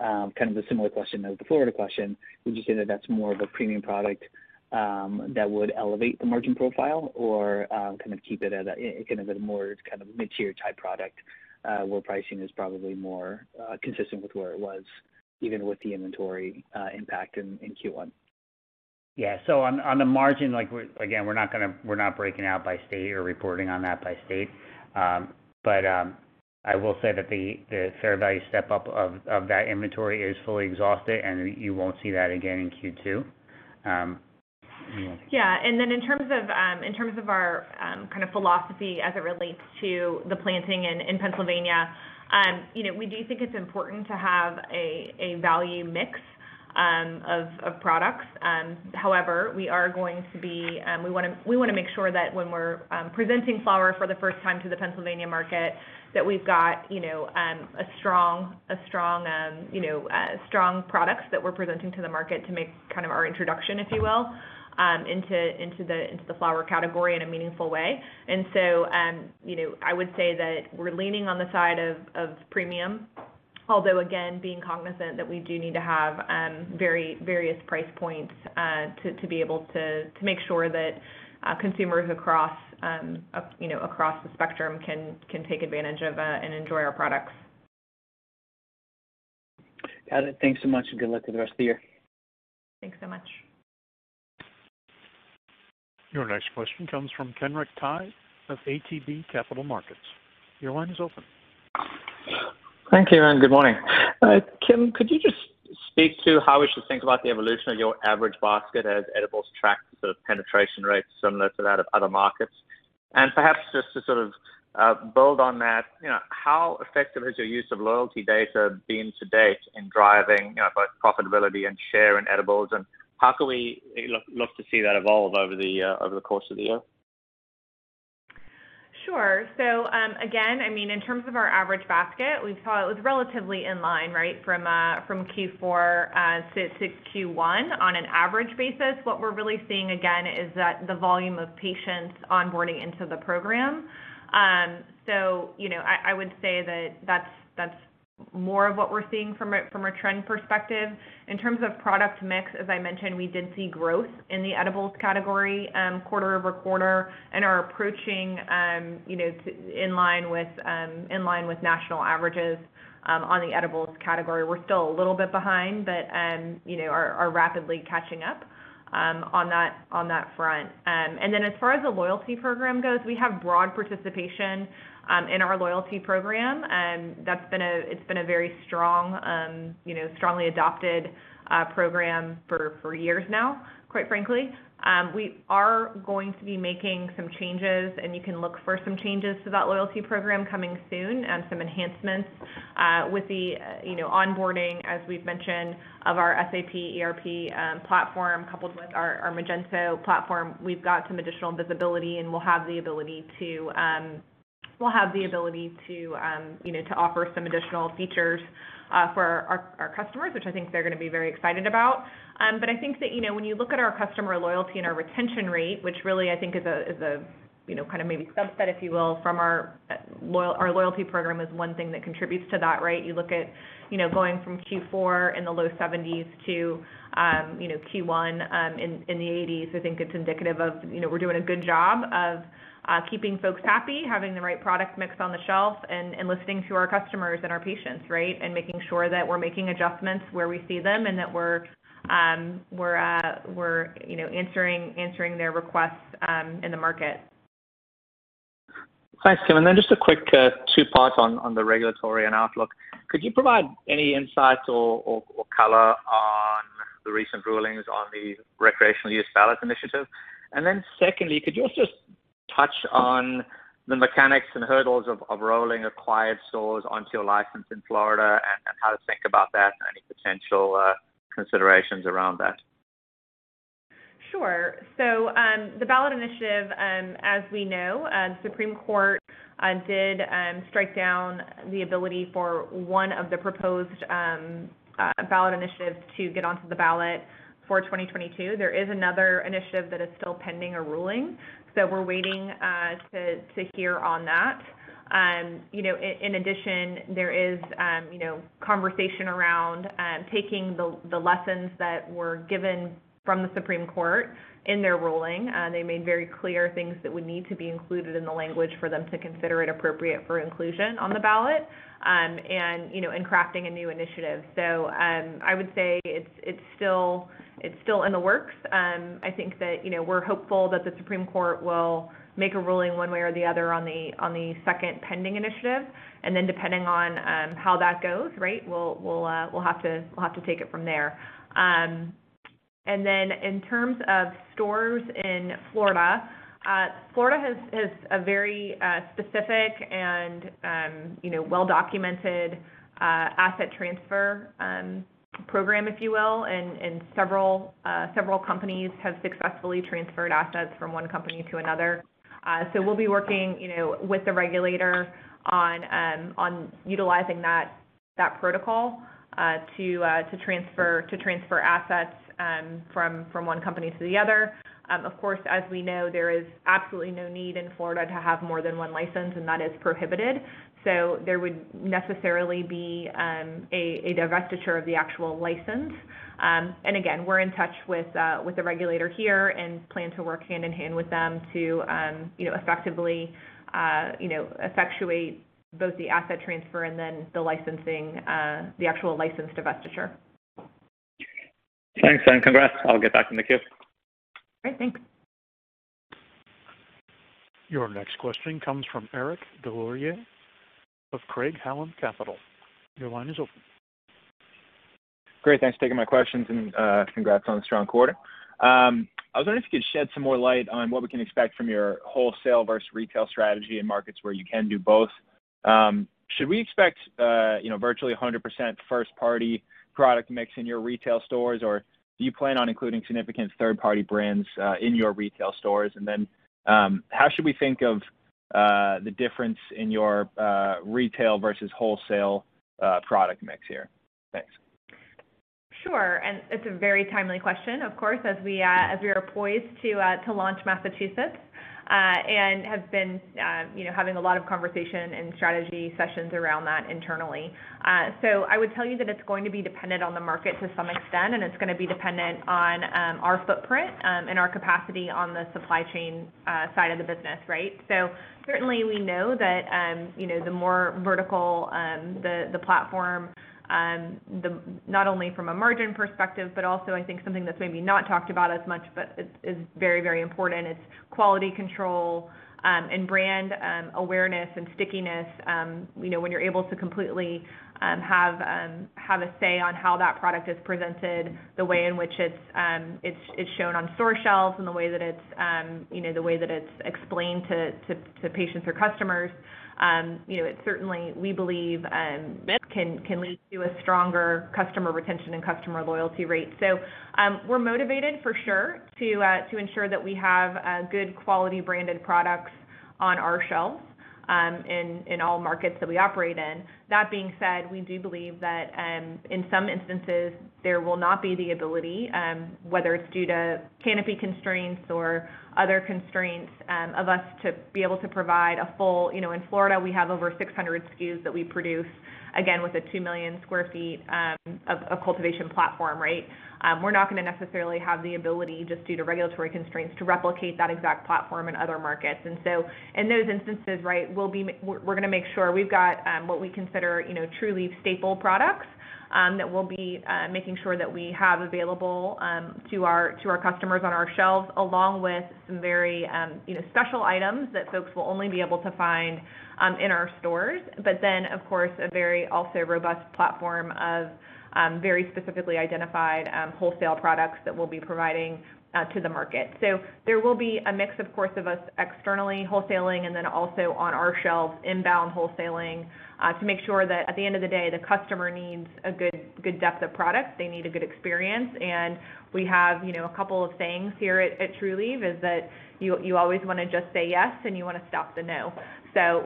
Kind of a similar question as the Florida question. Would you say that that's more of a premium product that would elevate the margin profile, or kind of keep it at a more mid-tier type product, where pricing is probably more consistent with where it was, even with the inventory impact in Q1? On the margin, again, we're not breaking out by state or reporting on that by state. I will say that the fair value step-up of that inventory is fully exhausted, and you won't see that again in Q2. Yeah. In terms of our philosophy as it relates to the planting in Pennsylvania, we do think it's important to have a value mix of products. However, we want to make sure that when we're presenting flower for the first time to the Pennsylvania market, that we've got strong products that we're presenting to the market to make our introduction, if you will, into the flower category in a meaningful way. I would say that we're leaning on the side of premium. Although, again, being cognizant that we do need to have various price points, to be able to make sure that consumers across the spectrum can take advantage of and enjoy our products. Got it. Thanks so much, and good luck with the rest of the year. Thanks so much. Your next question comes from Kenric Tyghe of ATB Capital Markets. Your line is open. Thank you, and good morning. Kim, could you just speak to how we should think about the evolution of your average basket as edibles track the sort of penetration rates similar to that of other markets? Perhaps just to build on that, how effective has your use of loyalty data been to date in driving both profitability and share in edibles, and how can we look to see that evolve over the course of the year? Again, in terms of our average basket, we thought it was relatively in line from Q4 to Q1 on an average basis. What we're really seeing again is that the volume of patients onboarding into the program. I would say that that's more of what we're seeing from a trend perspective. In terms of product mix, as I mentioned, we did see growth in the edibles category quarter-over-quarter, and are approaching in line with national averages on the edibles category. We're still a little bit behind, but are rapidly catching up on that front. As far as the loyalty program goes, we have broad participation in our loyalty program. It's been a very strongly adopted program for years now, quite frankly. We are going to be making some changes, you can look for some changes to that loyalty program coming soon, and some enhancements. With the onboarding, as we've mentioned, of our SAP ERP platform coupled with our Magento platform, we've got some additional visibility, and we'll have the ability to offer some additional features for our customers, which I think they're going to be very excited about. I think that when you look at our customer loyalty and our retention rate, which really I think is a maybe subset, if you will, from our loyalty program is one thing that contributes to that, right? You look at going from Q4 in the low 70s to Q1 in the 80s, I think it's indicative of we're doing a good job of keeping folks happy, having the right product mix on the shelf, and listening to our customers and our patients, right? Making sure that we're making adjustments where we see them and that we're answering their requests in the market. Thanks, Kim. Just a quick two-part on the regulatory and outlook. Could you provide any insights or color on the recent rulings on the recreational use ballot initiative? Secondly, could you also touch on the mechanics and hurdles of rolling acquired stores onto your license in Florida, and how to think about that, and any potential considerations around that? Sure. The ballot initiative, as we know, the Supreme Court did strike down the ability for one of the proposed ballot initiatives to get onto the ballot for 2022. There is another initiative that is still pending a ruling. We're waiting to hear on that. In addition, there is conversation around taking the lessons that were given from the Supreme Court in their ruling. They made very clear things that would need to be included in the language for them to consider it appropriate for inclusion on the ballot, and crafting a new initiative. I would say it's still in the works. I think that we're hopeful that the Supreme Court will make a ruling one way or the other on the second pending initiative. Depending on how that goes, right? We'll have to take it from there. Then in terms of stores in Florida has a very specific and well-documented asset transfer program, if you will, and several companies have successfully transferred assets from one company to another. We'll be working with the regulator on utilizing that protocol to transfer assets from one company to the other. Of course, as we know, there is absolutely no need in Florida to have more than one license, and that is prohibited. There would necessarily be a divestiture of the actual license. Again, we're in touch with the regulator here and plan to work hand-in-hand with them to effectively effectuate both the asset transfer and then the actual license divestiture. Thanks, and congrats. I'll get back in the queue. Great, thanks. Your next question comes from Eric Des Lauriers of Craig-Hallum Capital. Your line is open. Great. Thanks for taking my questions, and congrats on a strong quarter. I was wondering if you could shed some more light on what we can expect from your wholesale versus retail strategy in markets where you can do both. Should we expect virtually 100% first-party product mix in your retail stores, or do you plan on including significant third-party brands in your retail stores? How should we think of the difference in your retail versus wholesale product mix here? Thanks. Sure. It's a very timely question, of course, as we are poised to launch Massachusetts, and have been having a lot of conversation and strategy sessions around that internally. I would tell you that it's going to be dependent on the market to some extent, and it's going to be dependent on our footprint, and our capacity on the supply chain side of the business, right? Certainly, we know that the more vertical the platform, not only from a margin perspective, but also I think something that's maybe not talked about as much but is very important, it's quality control and brand awareness and stickiness. When you're able to completely have a say on how that product is presented, the way in which it's shown on store shelves, and the way that it's explained to patients or customers. It certainly, we believe, can lead to a stronger customer retention and customer loyalty rate. We're motivated for sure to ensure that we have good quality branded products on our shelves in all markets that we operate in. That being said, we do believe that in some instances, there will not be the ability, whether it's due to canopy constraints or other constraints, of us to be able to provide. In Florida, we have over 600 SKUs that we produce, again, with a 2 million sq ft of cultivation platform, right? We're not going to necessarily have the ability, just due to regulatory constraints, to replicate that exact platform in other markets. In those instances, right, we're going to make sure we've got what we consider Trulieve staple products, that we'll be making sure that we have available to our customers on our shelves, along with some very special items that folks will only be able to find in our stores. Of course, a very also robust platform of very specifically identified wholesale products that we'll be providing to the market. There will be a mix, of course, of us externally wholesaling, and then also on our shelves, inbound wholesaling, to make sure that at the end of the day, the customer needs a good depth of products. They need a good experience, and we have a couple of sayings here at Trulieve, is that you always want to just say yes, and you want to stop the no.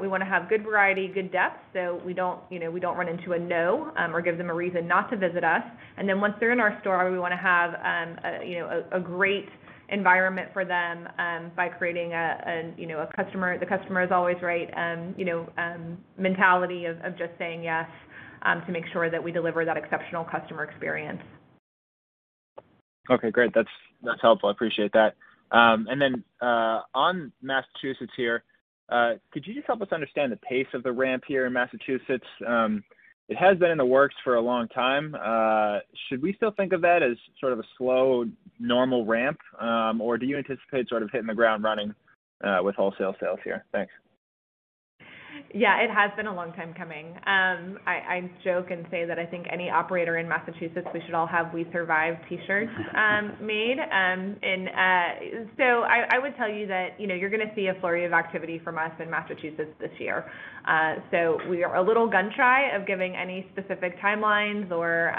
We want to have good variety, good depth, so we don't run into a no, or give them a reason not to visit us. Once they're in our store, we want to have a great environment for them by creating the customer is always right mentality of just saying yes, to make sure that we deliver that exceptional customer experience. Okay, great. That's helpful, I appreciate that. Then on Massachusetts here, could you just help us understand the pace of the ramp here in Massachusetts? It has been in the works for a long time. Should we still think of that as sort of a slow normal ramp? Do you anticipate sort of hitting the ground running with wholesale sales here? Thanks. Yeah, it has been a long time coming. I joke and say that I think any operator in Massachusetts, we should all have We Survived T-shirts made. I would tell you that you're going to see a flurry of activity from us in Massachusetts this year. We are a little gun-shy of giving any specific timelines or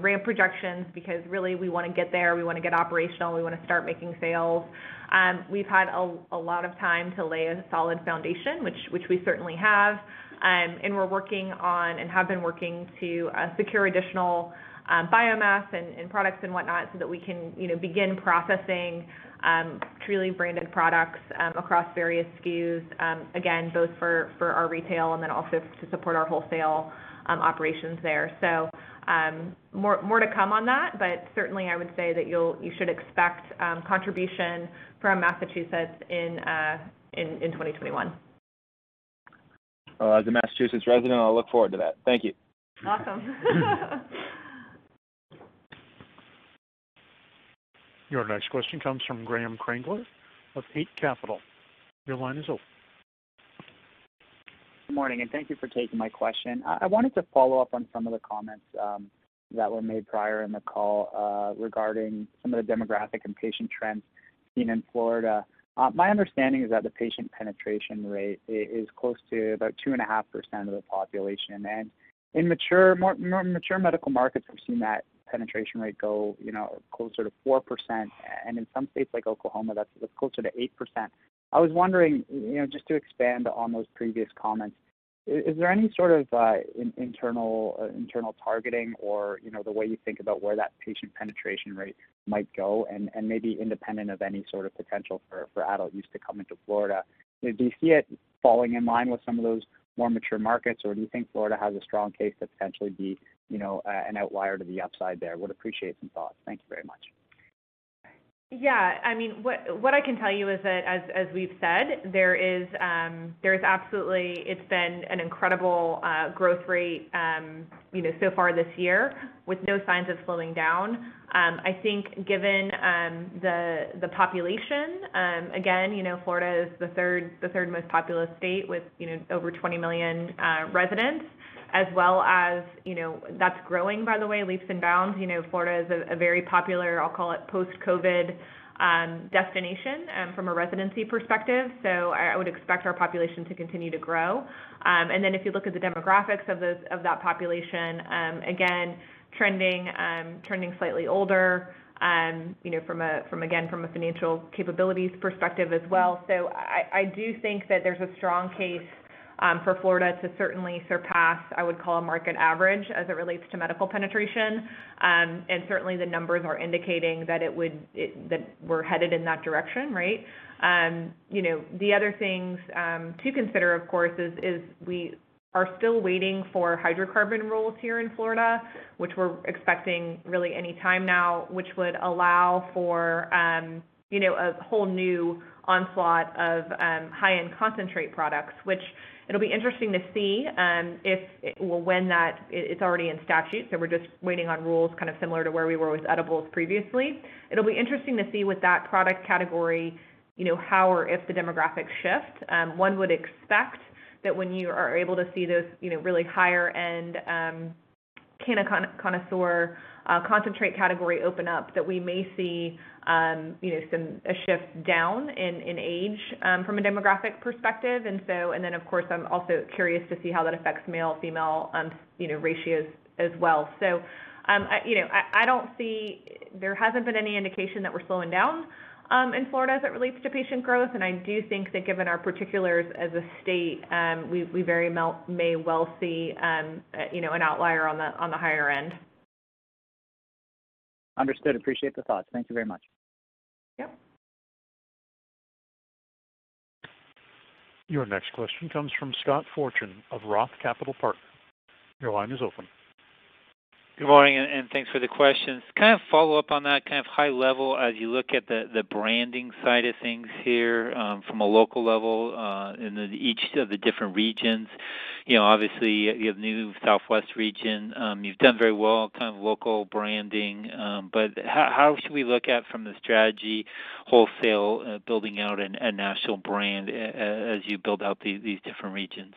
ramp projections because really we want to get there, we want to get operational, we want to start making sales. We've had a lot of time to lay a solid foundation, which we certainly have. We're working on, and have been working to secure additional biomass and products and whatnot, so that we can begin processing Trulieve branded products across various SKUs, again, both for our retail and then also to support our wholesale operations there. More to come on that, but certainly I would say that you should expect contribution from Massachusetts in 2021. As a Massachusetts resident, I'll look forward to that. Thank you. Welcome. Your next question comes from Graeme Kreindler of Eight Capital. Your line is open. Good morning, and thank you for taking my question. I wanted to follow up on some of the comments that were made prior in the call, regarding some of the demographic and patient trends seen in Florida. My understanding is that the patient penetration rate is close to about 2.5% of the population. In more mature medical markets, we've seen that penetration rate go closer to 4%, and in some states like Oklahoma, that's closer to 8%. I was wondering, just to expand on those previous comments, is there any sort of internal targeting or the way you think about where that patient penetration rate might go and maybe independent of any sort of potential for adult use to come into Florida? Do you see it falling in line with some of those more mature markets, or do you think Florida has a strong case to potentially be an outlier to the upside there? Would appreciate some thoughts. Thank you very much. What I can tell you is that, as we've said, it's been an incredible growth rate so far this year with no signs of slowing down. I think given the population, again, Florida is the third most populous state with over 20 million residents, as well as that's growing, by the way, leaps and bounds. Florida is a very popular, I'll call it post-COVID destination from a residency perspective. I would expect our population to continue to grow. If you look at the demographics of that population, again, trending slightly older from a financial capabilities perspective as well. I do think that there's a strong case for Florida to certainly surpass, I would call a market average, as it relates to medical penetration. Certainly the numbers are indicating that we're headed in that direction, right? The other things to consider, of course, is we are still waiting for hydrocarbon rules here in Florida, which we're expecting really any time now, which would allow for a whole new onslaught of high-end concentrate products. It's already in statute, so we're just waiting on rules kind of similar to where we were with edibles previously. It'll be interesting to see with that product category, how or if the demographics shift. One would expect that when you are able to see those really higher-end connoisseur concentrate category open up, that we may see a shift down in age from a demographic perspective. Of course, I'm also curious to see how that affects male-female ratios as well. There hasn't been any indication that we're slowing down in Florida as it relates to patient growth. I do think that given our particulars as a state, we may very well see an outlier on the higher end. Understood. Appreciate the thoughts. Thank you very much. Yep. Your next question comes from Scott Fortune of ROTH Capital Partners. Your line is open. Good morning, thanks for the questions. Kind of follow up on that kind of high level as you look at the branding side of things here from a local level, in each of the different regions. Obviously you have new Southwest region. You've done very well kind of local branding. How should we look at from the strategy wholesale building out a national brand as you build out these different regions?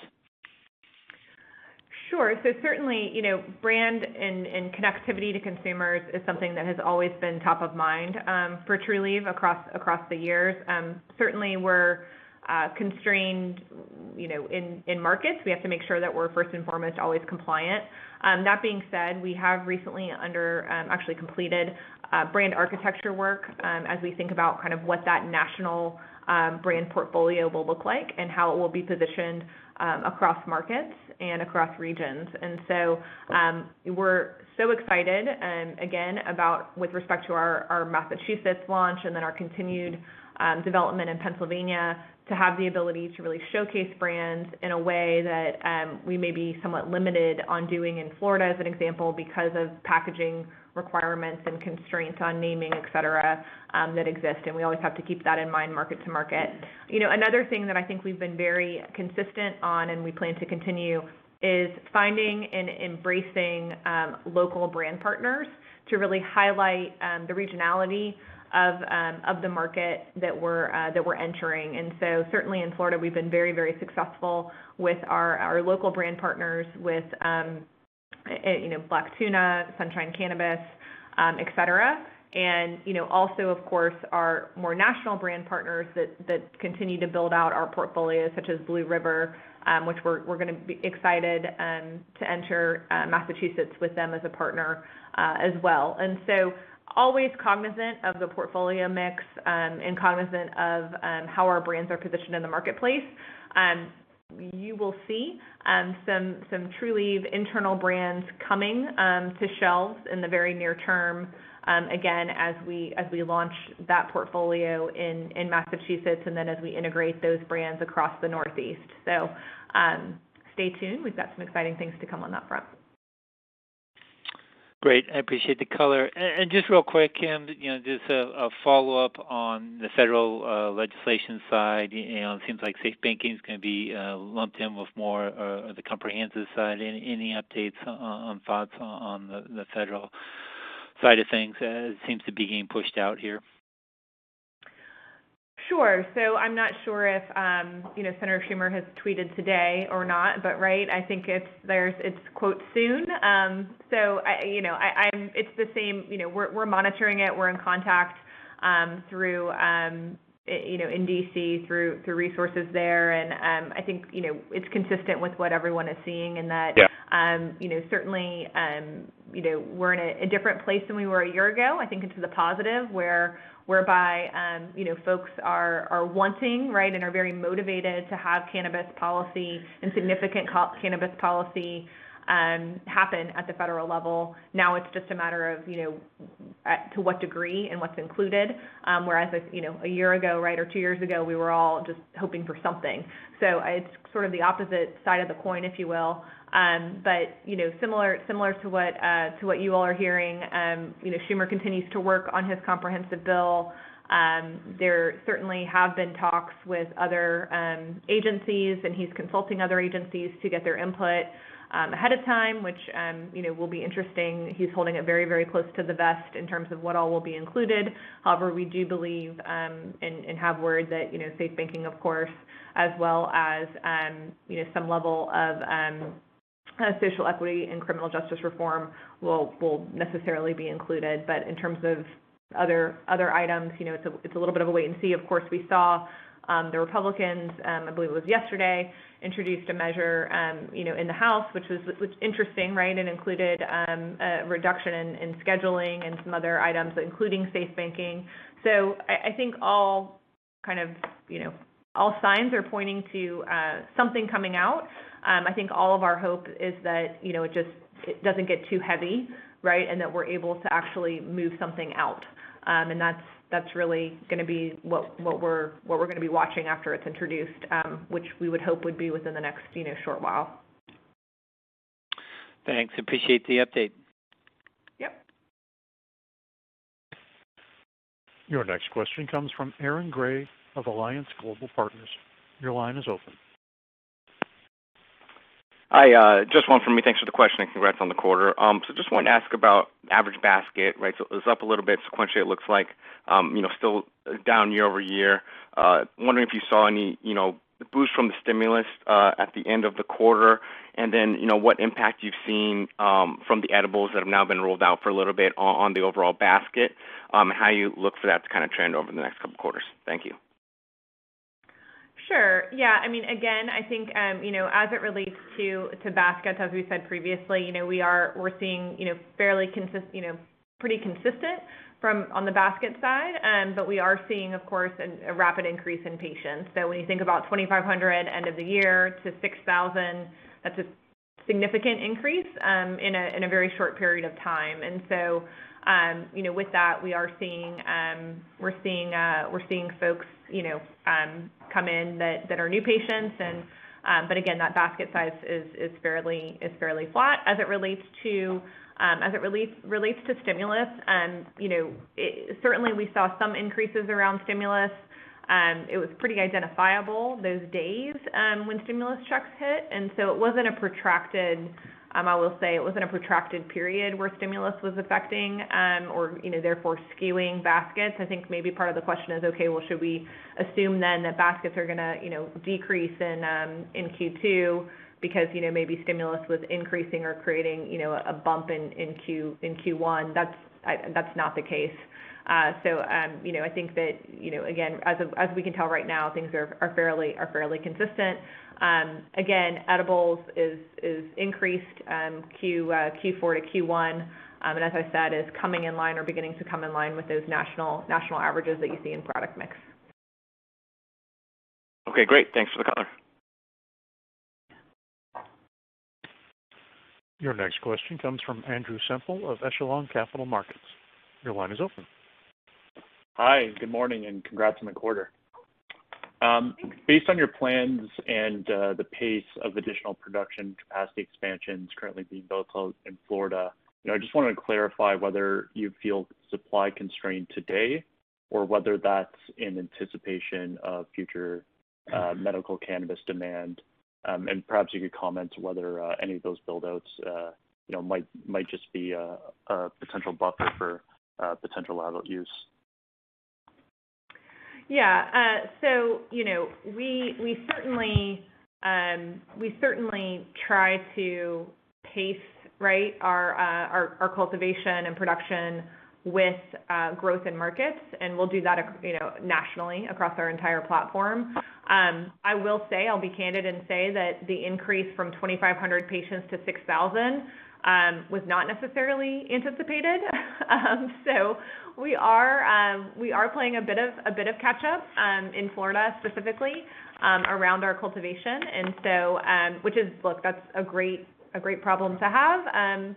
Sure. Certainly, brand and connectivity to consumers is something that has always been top of mind for Trulieve across the years. Certainly we're constrained in markets. We have to make sure that we're first and foremost always compliant. That being said, we have recently actually completed brand architecture work, as we think about what that national brand portfolio will look like and how it will be positioned across markets and across regions. We're so excited, again, with respect to our Massachusetts launch and then our continued development in Pennsylvania, to have the ability to really showcase brands in a way that we may be somewhat limited on doing in Florida, as an example, because of packaging requirements and constraints on naming, et cetera, that exist, and we always have to keep that in mind market to market. Another thing that I think we've been very consistent on, and we plan to continue, is finding and embracing local brand partners to really highlight the regionality of the market that we're entering. Certainly in Florida, we've been very successful with our local brand partners, with Black Tuna, Sunshine Cannabis, et cetera. Of course, our more national brand partners that continue to build out our portfolio, such as Blue River, which we're going to be excited to enter Massachusetts with them as a partner as well. Always cognizant of the portfolio mix, and cognizant of how our brands are positioned in the marketplace. You will see some Trulieve internal brands coming to shelves in the very near term, again, as we launch that portfolio in Massachusetts and then as we integrate those brands across the Northeast. Stay tuned. We've got some exciting things to come on that front. Great. I appreciate the color. Just real quick, just a follow-up on the federal legislation side. It seems like SAFE Banking's going to be lumped in with more of the comprehensive side. Any updates on thoughts on the federal side of things? It seems to be getting pushed out here. Sure. I'm not sure if Senator Schumer has tweeted today or not. I think it's quote, "soon." It's the same. We're monitoring it. We're in contact in D.C. through resources there. I think it's consistent with what everyone is seeing. Yeah Certainly, we're in a different place than we were a year ago, I think to the positive, whereby folks are wanting and are very motivated to have cannabis policy and significant cannabis policy happen at the federal level. Now it's just a matter of to what degree and what's included, whereas a year ago or two years ago, we were all just hoping for something. It's sort of the opposite side of the coin, if you will. Similar to what you all are hearing, Schumer continues to work on his comprehensive bill. There certainly have been talks with other agencies, and he's consulting other agencies to get their input ahead of time, which will be interesting. He's holding it very close to the vest in terms of what all will be included. However, we do believe, and have word that SAFE Banking, of course, as well as some level of social equity and criminal justice reform will necessarily be included. In terms of other items, it's a little bit of a wait-and-see. Of course, we saw the Republicans, I believe it was yesterday, introduce a measure in the House, which was interesting, and included a reduction in scheduling and some other items, including SAFE Banking. I think all signs are pointing to something coming out. I think all of our hope is that it doesn't get too heavy, and that we're able to actually move something out. That's really going to be what we're going to be watching after it's introduced, which we would hope would be within the next short while. Thanks. Appreciate the update. Yep. Your next question comes from Aaron Grey of Alliance Global Partners. Your line is open. Hi. Just one from me. Thanks for the question, and congrats on the quarter. Just wanted to ask about average basket. It was up a little bit sequentially, it looks like. Still down year-over-year. Wondering if you saw any boost from the stimulus at the end of the quarter, and then, what impact you've seen from the edibles that have now been rolled out for a little bit on the overall basket, and how you look for that to trend over the next couple of quarters. Thank you. Sure. I think, as it relates to baskets, as we said previously, we're seeing pretty consistent on the basket side. We are seeing, of course, a rapid increase in patients. When you think about 2,500 end of the year to 6,000, that's a significant increase in a very short period of time. With that, we're seeing folks come in that are new patients. Again, that basket size is fairly flat. As it relates to stimulus, certainly we saw some increases around stimulus. It was pretty identifiable, those days when stimulus checks hit. I will say it wasn't a protracted period where stimulus was affecting, or therefore skewing baskets. I think maybe part of the question is, okay, well should we assume then that baskets are going to decrease in Q2 because maybe stimulus was increasing or creating a bump in Q1? That's not the case. I think that, again, as we can tell right now, things are fairly consistent. Edibles is increased Q4 to Q1, and as I said, is coming in line or beginning to come in line with those national averages that you see in product mix. Okay, great. Thanks for the color. Your next question comes from Andrew Semple of Echelon Capital Markets. Your line is open. Hi, good morning, and congrats on the quarter. Based on your plans and the pace of additional production capacity expansions currently being built out in Florida, I just wanted to clarify whether you feel supply constrained today, or whether that's in anticipation of future medical cannabis demand. Perhaps you could comment whether any of those build-outs might just be a potential buffer for potential adult use. We certainly try to pace our cultivation and production with growth in markets, and we'll do that nationally across our entire platform. I will say, I'll be candid and say that the increase from 2,500 patients to 6,000 was not necessarily anticipated. We are playing a bit of catch-up in Florida specifically, around our cultivation. That's a great problem to have.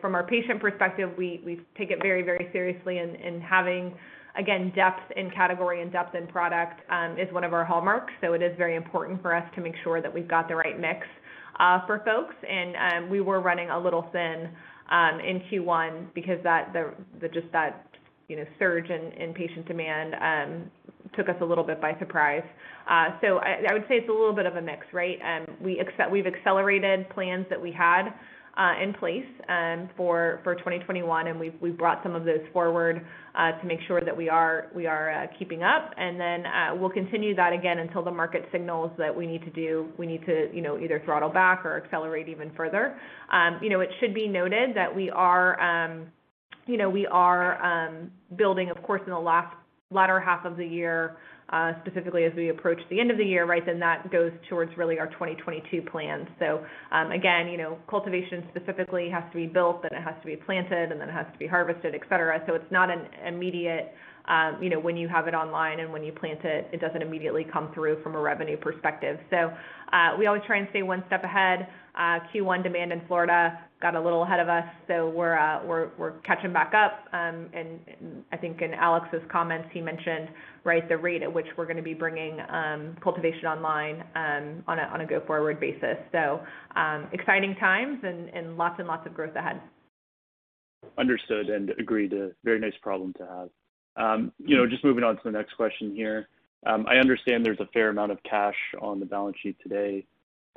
From our patient perspective, we take it very seriously, and having, again, depth in category and depth in product is one of our hallmarks. It is very important for us to make sure that we've got the right mix for folks. We were running a little thin in Q1 because just that surge in patient demand took us a little bit by surprise. I would say it's a little bit of a mix, right? We've accelerated plans that we had in place for 2021, and we've brought some of those forward to make sure that we are keeping up. We'll continue that again until the market signals that we need to either throttle back or accelerate even further. It should be noted that we are building, of course, in the latter half of the year, specifically as we approach the end of the year. That goes towards really our 2022 plans. Again, cultivation specifically has to be built, then it has to be planted, and then it has to be harvested, et cetera. It's not an immediate, when you have it online and when you plant it doesn't immediately come through from a revenue perspective. We always try and stay one step ahead. Q1 demand in Florida got a little ahead of us, so we're catching back up. I think in Alex's comments, he mentioned the rate at which we're going to be bringing cultivation online on a go-forward basis. Exciting times and lots of growth ahead. Understood and agreed. A very nice problem to have. Moving on to the next question here. I understand there is a fair amount of cash on the balance sheet today.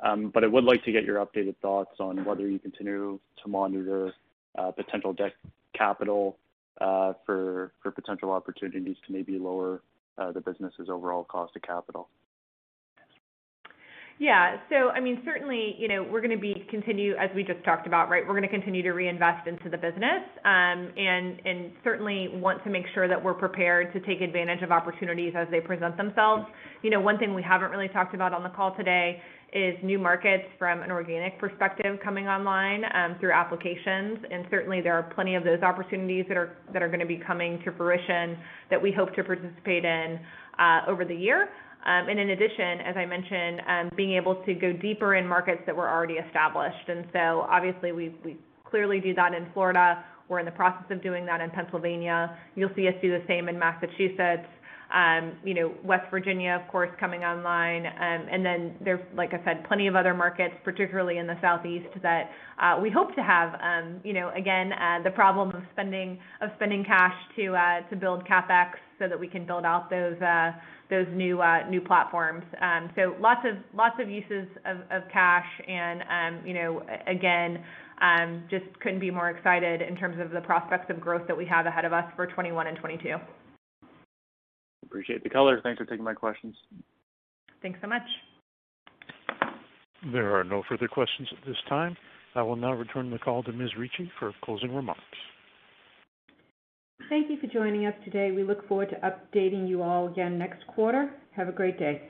I would like to get your updated thoughts on whether you continue to monitor potential debt capital for potential opportunities to maybe lower the business's overall cost of capital. Yeah. Certainly, we're going to continue, as we just talked about. We're going to continue to reinvest into the business, and certainly want to make sure that we're prepared to take advantage of opportunities as they present themselves. One thing we haven't really talked about on the call today is new markets from an organic perspective coming online through applications. Certainly, there are plenty of those opportunities that are going to be coming to fruition that we hope to participate in over the year. In addition, as I mentioned, being able to go deeper in markets that were already established. Obviously, we clearly do that in Florida. We're in the process of doing that in Pennsylvania. You'll see us do the same in Massachusetts. West Virginia, of course, coming online. There's, like I said, plenty of other markets, particularly in the Southeast, that we hope to have. Again, the problem of spending cash to build CapEx so that we can build out those new platforms. Lots of uses of cash and, again, just couldn't be more excited in terms of the prospects of growth that we have ahead of us for 2021 and 2022. Appreciate the color. Thanks for taking my questions. Thanks so much. There are no further questions at this time. I will now return the call to Ms. Ricci for closing remarks. Thank you for joining us today. We look forward to updating you all again next quarter. Have a great day.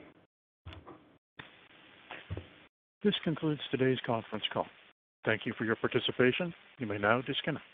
This concludes today's conference call. Thank you for your participation. You may now disconnect.